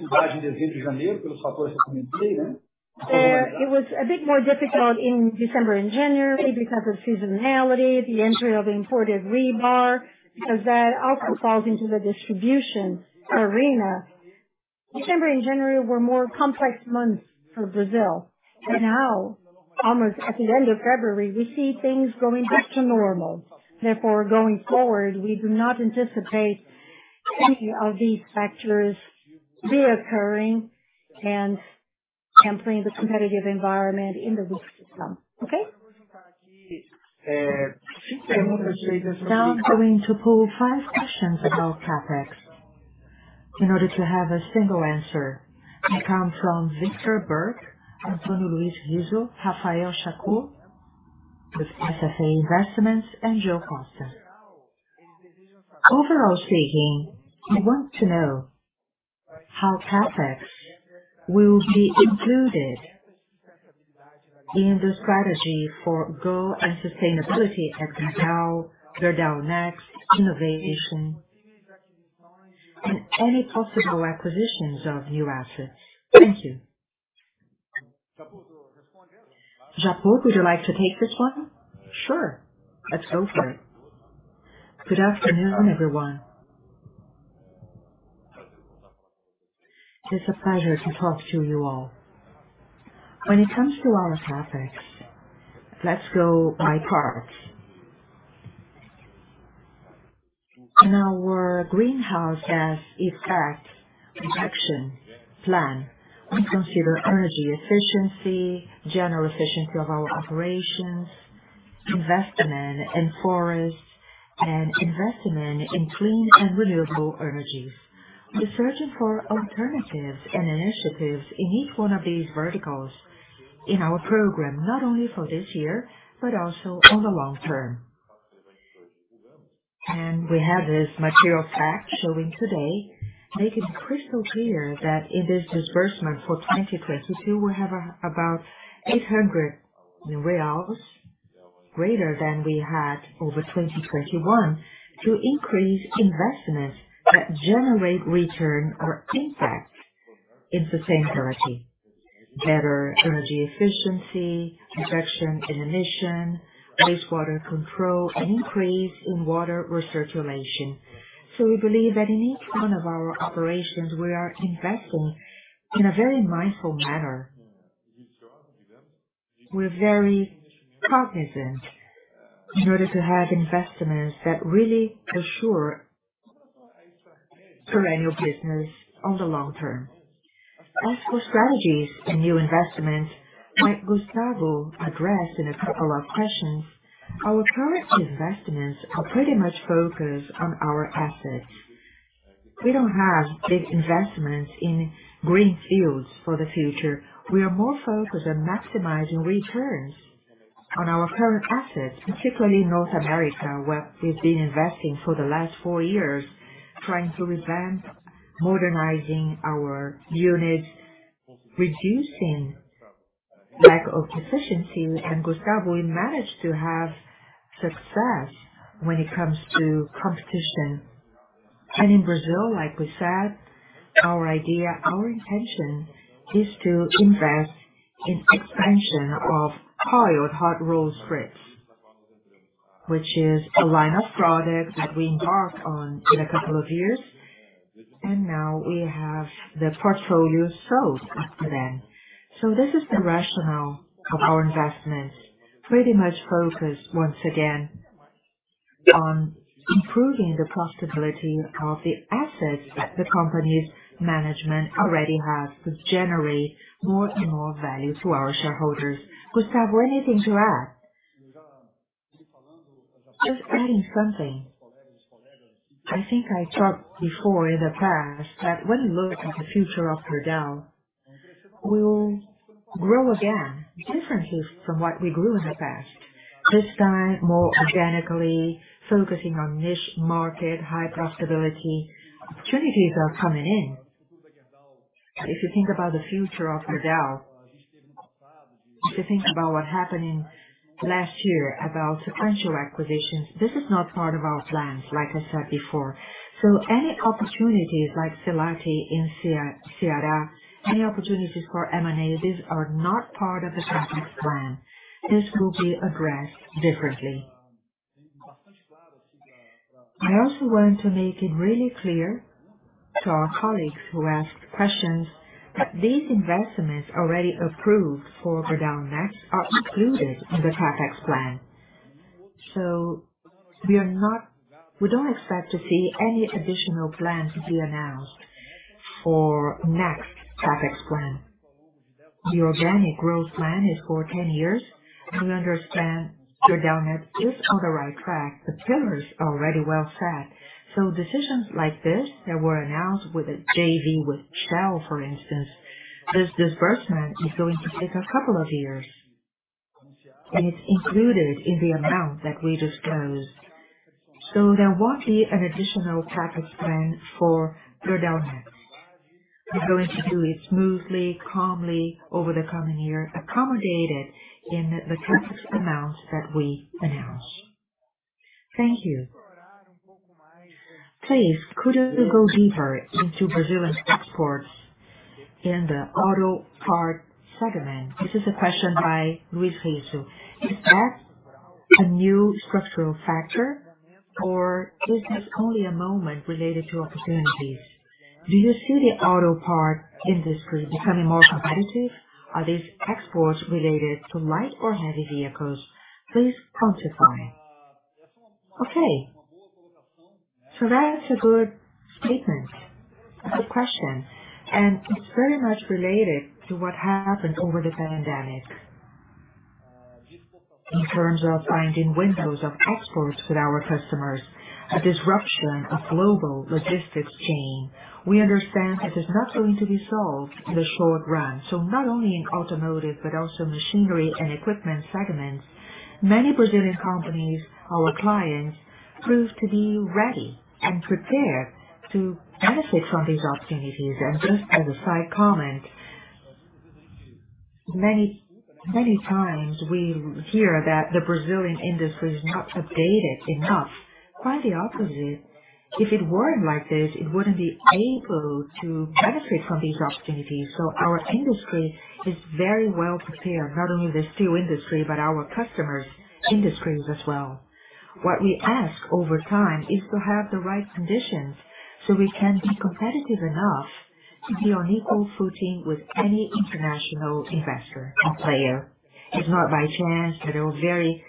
was a bit more difficult in December and January because of seasonality, the entry of imported rebar, because that also falls into the distribution arena. December and January were more complex months for Brazil. Now, almost at the end of February, we see things going back to normal. Therefore, going forward, we do not anticipate any of these factors reoccurring and tempering the competitive environment in the weeks to come. Okay?
Now I'm going to pull five questions about CapEx in order to have a single answer. It comes from Victor Burke, Antonio Luis Rizo, Rafael Shakur with SFA Investimentos, and Joe Costa. Overall speaking, we want to know how CapEx will be included in the strategy for growth and sustainability at Gerdau Next, innovation, and any possible acquisitions of new assets. Thank you. Rafael Japur, would you like to take this one?
Sure. Let's go for it. Good afternoon, everyone. It's a pleasure to talk to you all. When it comes to our topics, let's go by parts. In our greenhouse gas effect reduction plan, we consider energy efficiency, general efficiency of our operations, investment in forests, and investment in clean and renewable energies. We're searching for alternatives and initiatives in each one of these verticals in our program, not only for this year, but also on the long term. We have this material fact showing today, making it crystal clear that in this disbursement for 2022, we have about 800 reais greater than we had over 2021 to increase investments that generate return or impact in sustainability: better energy efficiency, reduction in emission, wastewater control, and increase in water recirculation. We believe that in each one of our operations, we are investing in a very mindful manner. We're very cognizant in order to have investments that really assure perennial business on the long term. As for strategies and new investments, like Gustavo addressed in a couple of questions, our current investments are pretty much focused on our assets. We don't have big investments in green fields for the future. We are more focused on maximizing returns on our current assets, particularly in North America, where we've been investing for the last four years, trying to revamp, modernizing our units, reducing lack of efficiency. Gustavo, we managed to have success when it comes to competition. In Brazil, like we said, our idea, our intention is to invest in expansion of coiled hot-rolled strips, which is a line of products that we embarked on in a couple of years, and now we have the portfolio sold after them. This is the rationale of our investments, pretty much focused once again on improving the profitability of the assets that the company's management already has to generate more and more value to our shareholders. Gustavo, anything to add?
Just adding something. I think I talked before in the past that when you look at the future of Gerdau, we'll grow again differently from what we grew in the past. This time, more organically, focusing on niche market, high profitability. Opportunities are coming in. If you think about the future of Gerdau, if you think about what happened in last year about sequential acquisitions, this is not part of our plans, like I said before. Any opportunities like Silat in Ceará, any opportunities for M&As are not part of the CapEx plan. This will be addressed differently. I also want to make it really clear to our colleagues who ask questions that these investments already approved for Gerdau Next are included in the CapEx plan. We don't expect to see any additional plans to be announced for next CapEx plan. The organic growth plan is for 10 years. We understand Gerdau Next is on the right track. The pillars are already well set. Decisions like this that were announced with a JV with Shell, for instance, this disbursement is going to take a couple of years, and it's included in the amount that we disclosed. There won't be an additional CapEx plan for Gerdau Next. We're going to do it smoothly, calmly over the coming year, accommodated in the CapEx amount that we announced.
Thank you. Please, could you go deeper into Brazilian exports in the auto part segment? This is a question by Luis Rizo. Is that a new structural factor or is this only a moment related to opportunities? Do you see the auto part industry becoming more competitive? Are these exports related to light or heavy vehicles? Please quantify.
Okay. That is a good statement. That's a good question. It's very much related to what happened over the pandemic. In terms of finding windows of exports with our customers, a disruption of global supply chain. We understand that it's not going to be solved in the short run. Not only in automotive, but also machinery and equipment segments. Many Brazilian companies, our clients, prove to be ready and prepared to benefit from these opportunities. Just as a side comment, many, many times we hear that the Brazilian industry is not updated enough. Quite the opposite. If it weren't like this, it wouldn't be able to benefit from these opportunities. Our industry is very well prepared. Not only the steel industry, but our customers' industries as well. What we ask over time is to have the right conditions, so we can be competitive enough to be on equal footing with any international investor and player. It's not by chance that we're very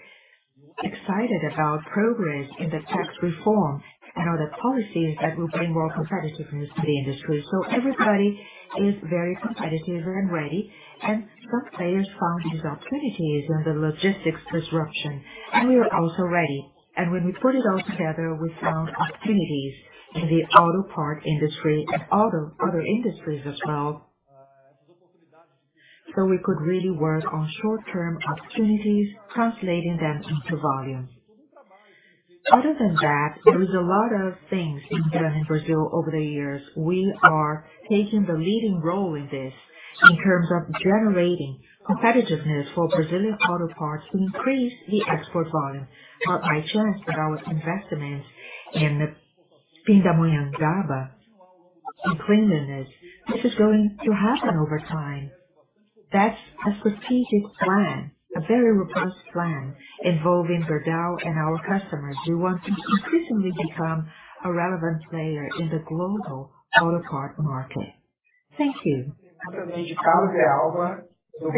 excited about progress in the tax reform and other policies that will bring more competitiveness to the industry. Everybody is very competitive and ready. Some players found these opportunities in the logistics disruption. We are also ready. When we put it all together, we found opportunities in the auto part industry and other industries as well. We could really work on short-term opportunities, translating them into volume. Other than that, there is a lot of things being done in Brazil over the years. We are taking the leading role in this in terms of generating competitiveness for Brazilian auto parts to increase the export volume. Not by chance that our investments in Pindamonhangaba and clean steel, this is going to happen over time. That's a strategic plan, a very robust plan involving Gerdau and our customers. We want to consistently become a relevant player in the global auto part market. Thank you.
The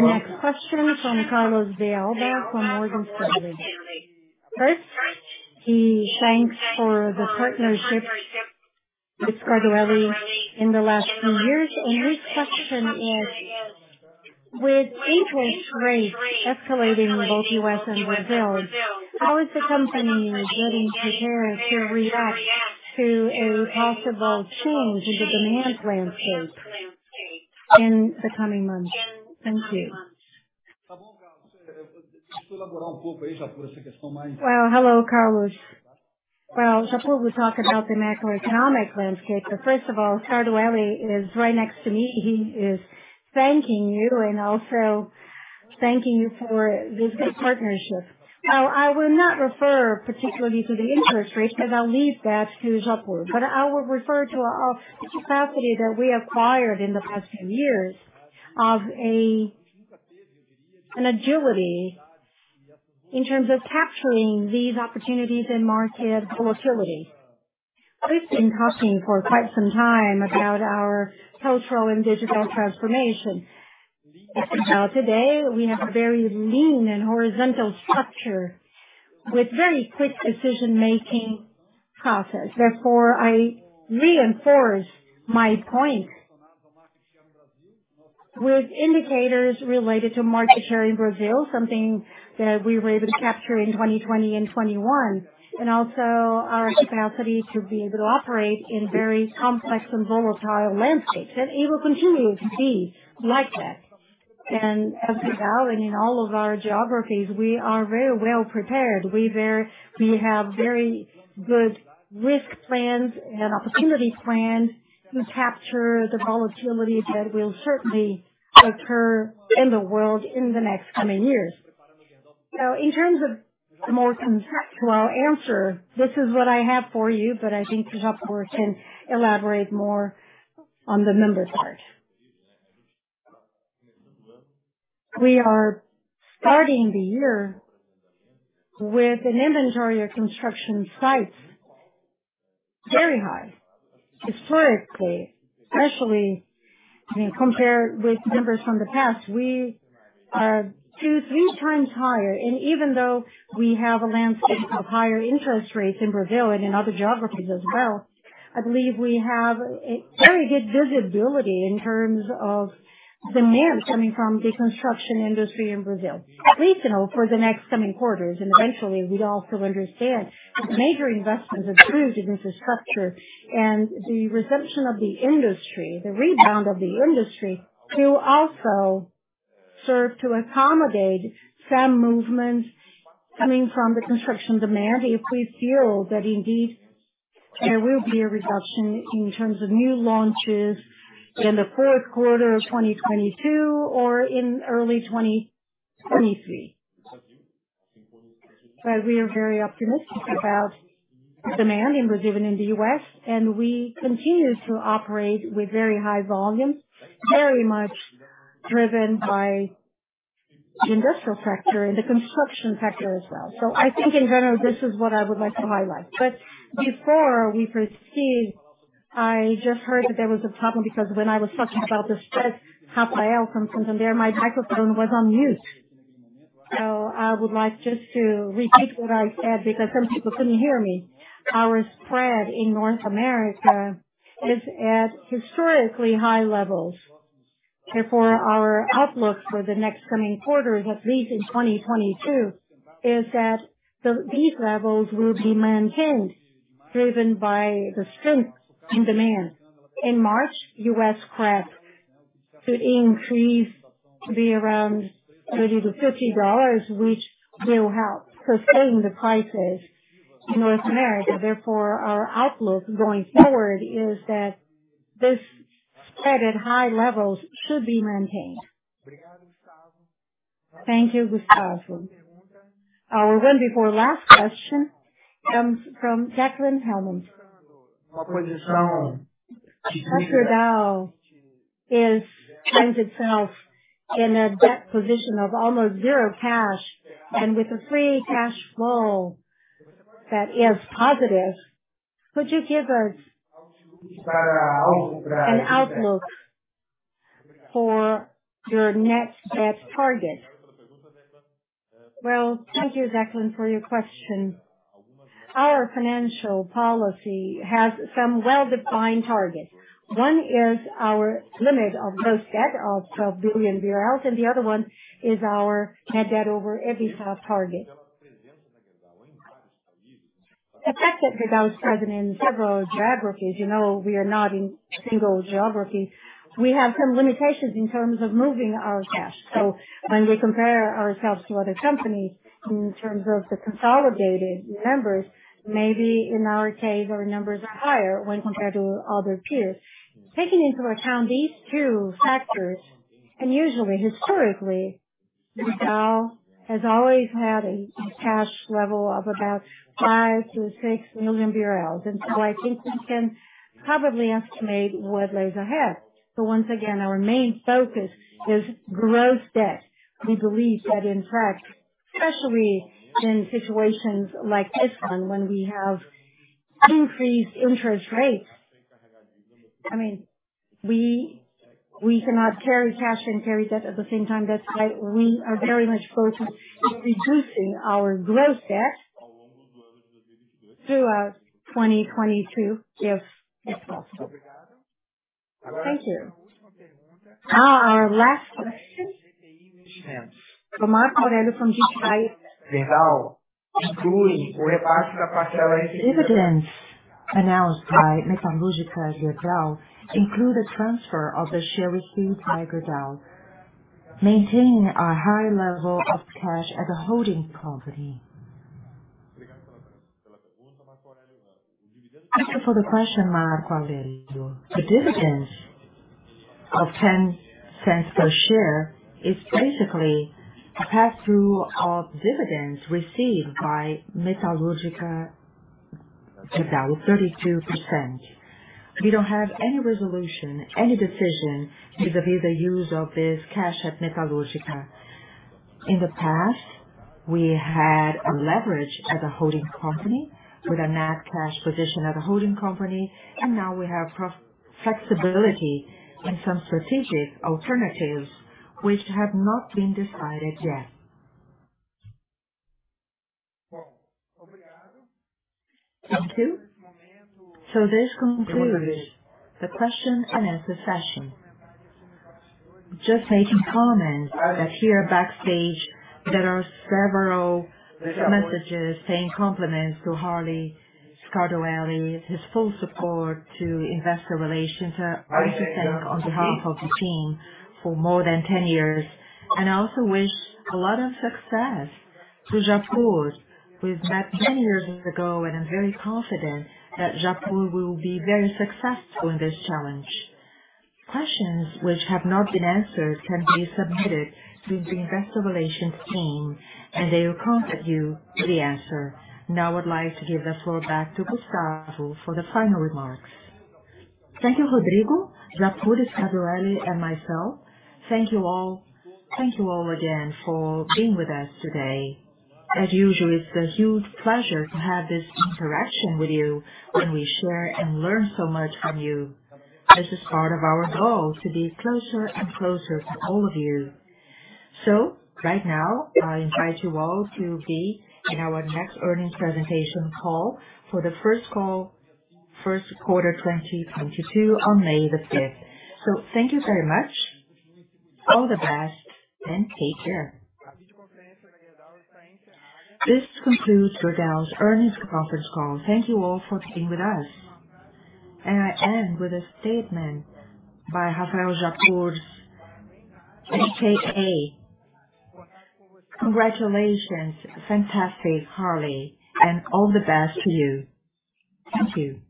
next question is from Carlos de Alba from Morgan Stanley. First, he thanks for the partnership with Gerdau in the last few years. His question is: With interest rates escalating in both U.S. and Brazil, how is the company getting prepared to react to a possible change in the demand landscape in the coming months? Thank you.
Well, hello, Carlos. Well, before we talk about the macroeconomic landscape, but first of all, Scardoelli is right next to me. He is thanking you and also thanking you for this good partnership. I will not refer particularly to the interest rates, because I'll leave that to Japur. I will refer to our, the capacity that we acquired in the past few years of an agility in terms of capturing these opportunities in market volatility. We've been talking for quite some time about our cultural and digital transformation. Now today, we have a very lean and horizontal structure with very quick decision-making process. Therefore, I reinforce my point with indicators related to market share in Brazil, something that we were able to capture in 2020 and 2021, and also our capacity to be able to operate in very complex and volatile landscapes. It will continue to be like that. As you know, in all of our geographies, we are very well prepared. We have very good risk plans and opportunity plans to capture the volatility that will certainly occur in the world in the coming years. In terms of a more concrete answer, this is what I have for you, but I think Japur can elaborate more on the number part.
We are starting the year with an inventory of construction sites very high historically, especially, I mean, compared with numbers from the past. We are 2-3 times higher. Even though we have a landscape of higher interest rates in Brazil and in other geographies as well, I believe we have a very good visibility in terms of demand coming from the construction industry in Brazil, at least, you know, for the next coming quarters. Eventually we also understand that the major investments are huge infrastructure and the reception of the industry, the rebound of the industry will also serve to accommodate some movements coming from the construction demand, if we feel that indeed there will be a reduction in terms of new launches in the fourth quarter of 2022 or in early 2023. We are very optimistic about demand in Brazil and in the U.S., and we continue to operate with very high volumes, very much driven by the industrial sector and the construction sector as well. I think in general this is what I would like to highlight. Before we proceed, I just heard that there was a problem because when I was talking about the spread, Rafael comes in and there my microphone was on mute. I would like just to repeat what I said because some people couldn't hear me. Our spread in North America is at historically high levels. Therefore, our outlook for the next coming quarters, at least in 2022, is that these levels will be maintained, driven by the strength in demand. In March, U.S. scrap should increase to be around $30-$50, which will help sustain the prices in North America. Therefore, our outlook going forward is that this spread at high levels should be maintained.
Thank you, Gustavo. Our one before last question comes from Jacqueline Hellman. Gerdau finds itself in a debt position of almost zero cash and with a free cash flow that is positive. Could you give us an outlook for your net debt target?
Well, thank you, Jacqueline, for your question. Our financial policy has some well-defined targets. One is our limit of gross debt of 12 billion, and the other one is our net debt over EBITDA target. The fact that the debt is present in several geographies, you know, we are not in a single geography. We have some limitations in terms of moving our cash. When we compare ourselves to other companies in terms of the consolidated numbers, maybe in our case our numbers are higher when compared to other peers. Taking into account these two factors, and usually historically, Gerdau has always had a cash level of about 5 billion-6 billion BRL. I think you can probably estimate what lies ahead. Once again, our main focus is gross debt. We believe that in fact, especially in situations like this one, when we have increased interest rates, I mean, we cannot carry cash and carry debt at the same time. That's why we are very much focused on reducing our gross debt throughout 2022 if it's possible. Thank you.
Our last question. Marco Aurelio Corello from GTI. Dividends announced by Metalúrgica Gerdau include a transfer of the shares received by Gerdau. Maintain our high level of cash as a holding company.
Thank you for the question, Marco Aurelio. The dividends of $0.10 per share is basically a pass-through of dividends received by Metalúrgica Gerdau, 32%. We don't have any resolution, any decision vis-à-vis the use of this cash at Metalúrgica. In the past, we had a leverage as a holding company with a net cash position as a holding company, and now we have flexibility and some strategic alternatives which have not been decided yet.
Thank you. This concludes the question and answer session. Just making comments that here backstage there are several messages saying compliments to Harley Scardoelli, his full support to investor relations. I want to thank on behalf of the team for more than 10 years. I also wish a lot of success to Japur. We've met many years ago, and I'm very confident that Japur will be very successful in this challenge. Questions which have not been answered can be submitted to the investor relations team, and they will contact you with the answer. Now I would like to give the floor back to Gustavo for the final remarks.
Thank you, Rodrigo, Japur, Scardoelli, and myself. Thank you all. Thank you all again for being with us today. As usual, it's a huge pleasure to have this interaction with you when we share and learn so much from you. This is part of our goal to be closer and closer to all of you. Right now, I invite you all to be in our next earnings presentation call for the first quarter 2022 on May 5th. Thank you very much. All the best, and take care.
This concludes Gerdau's earnings conference call. Thank you all for being with us. I end with a statement by Rafael Japur, AKA: Congratulations. Fantastic, Harley, and all the best to you. Thank you.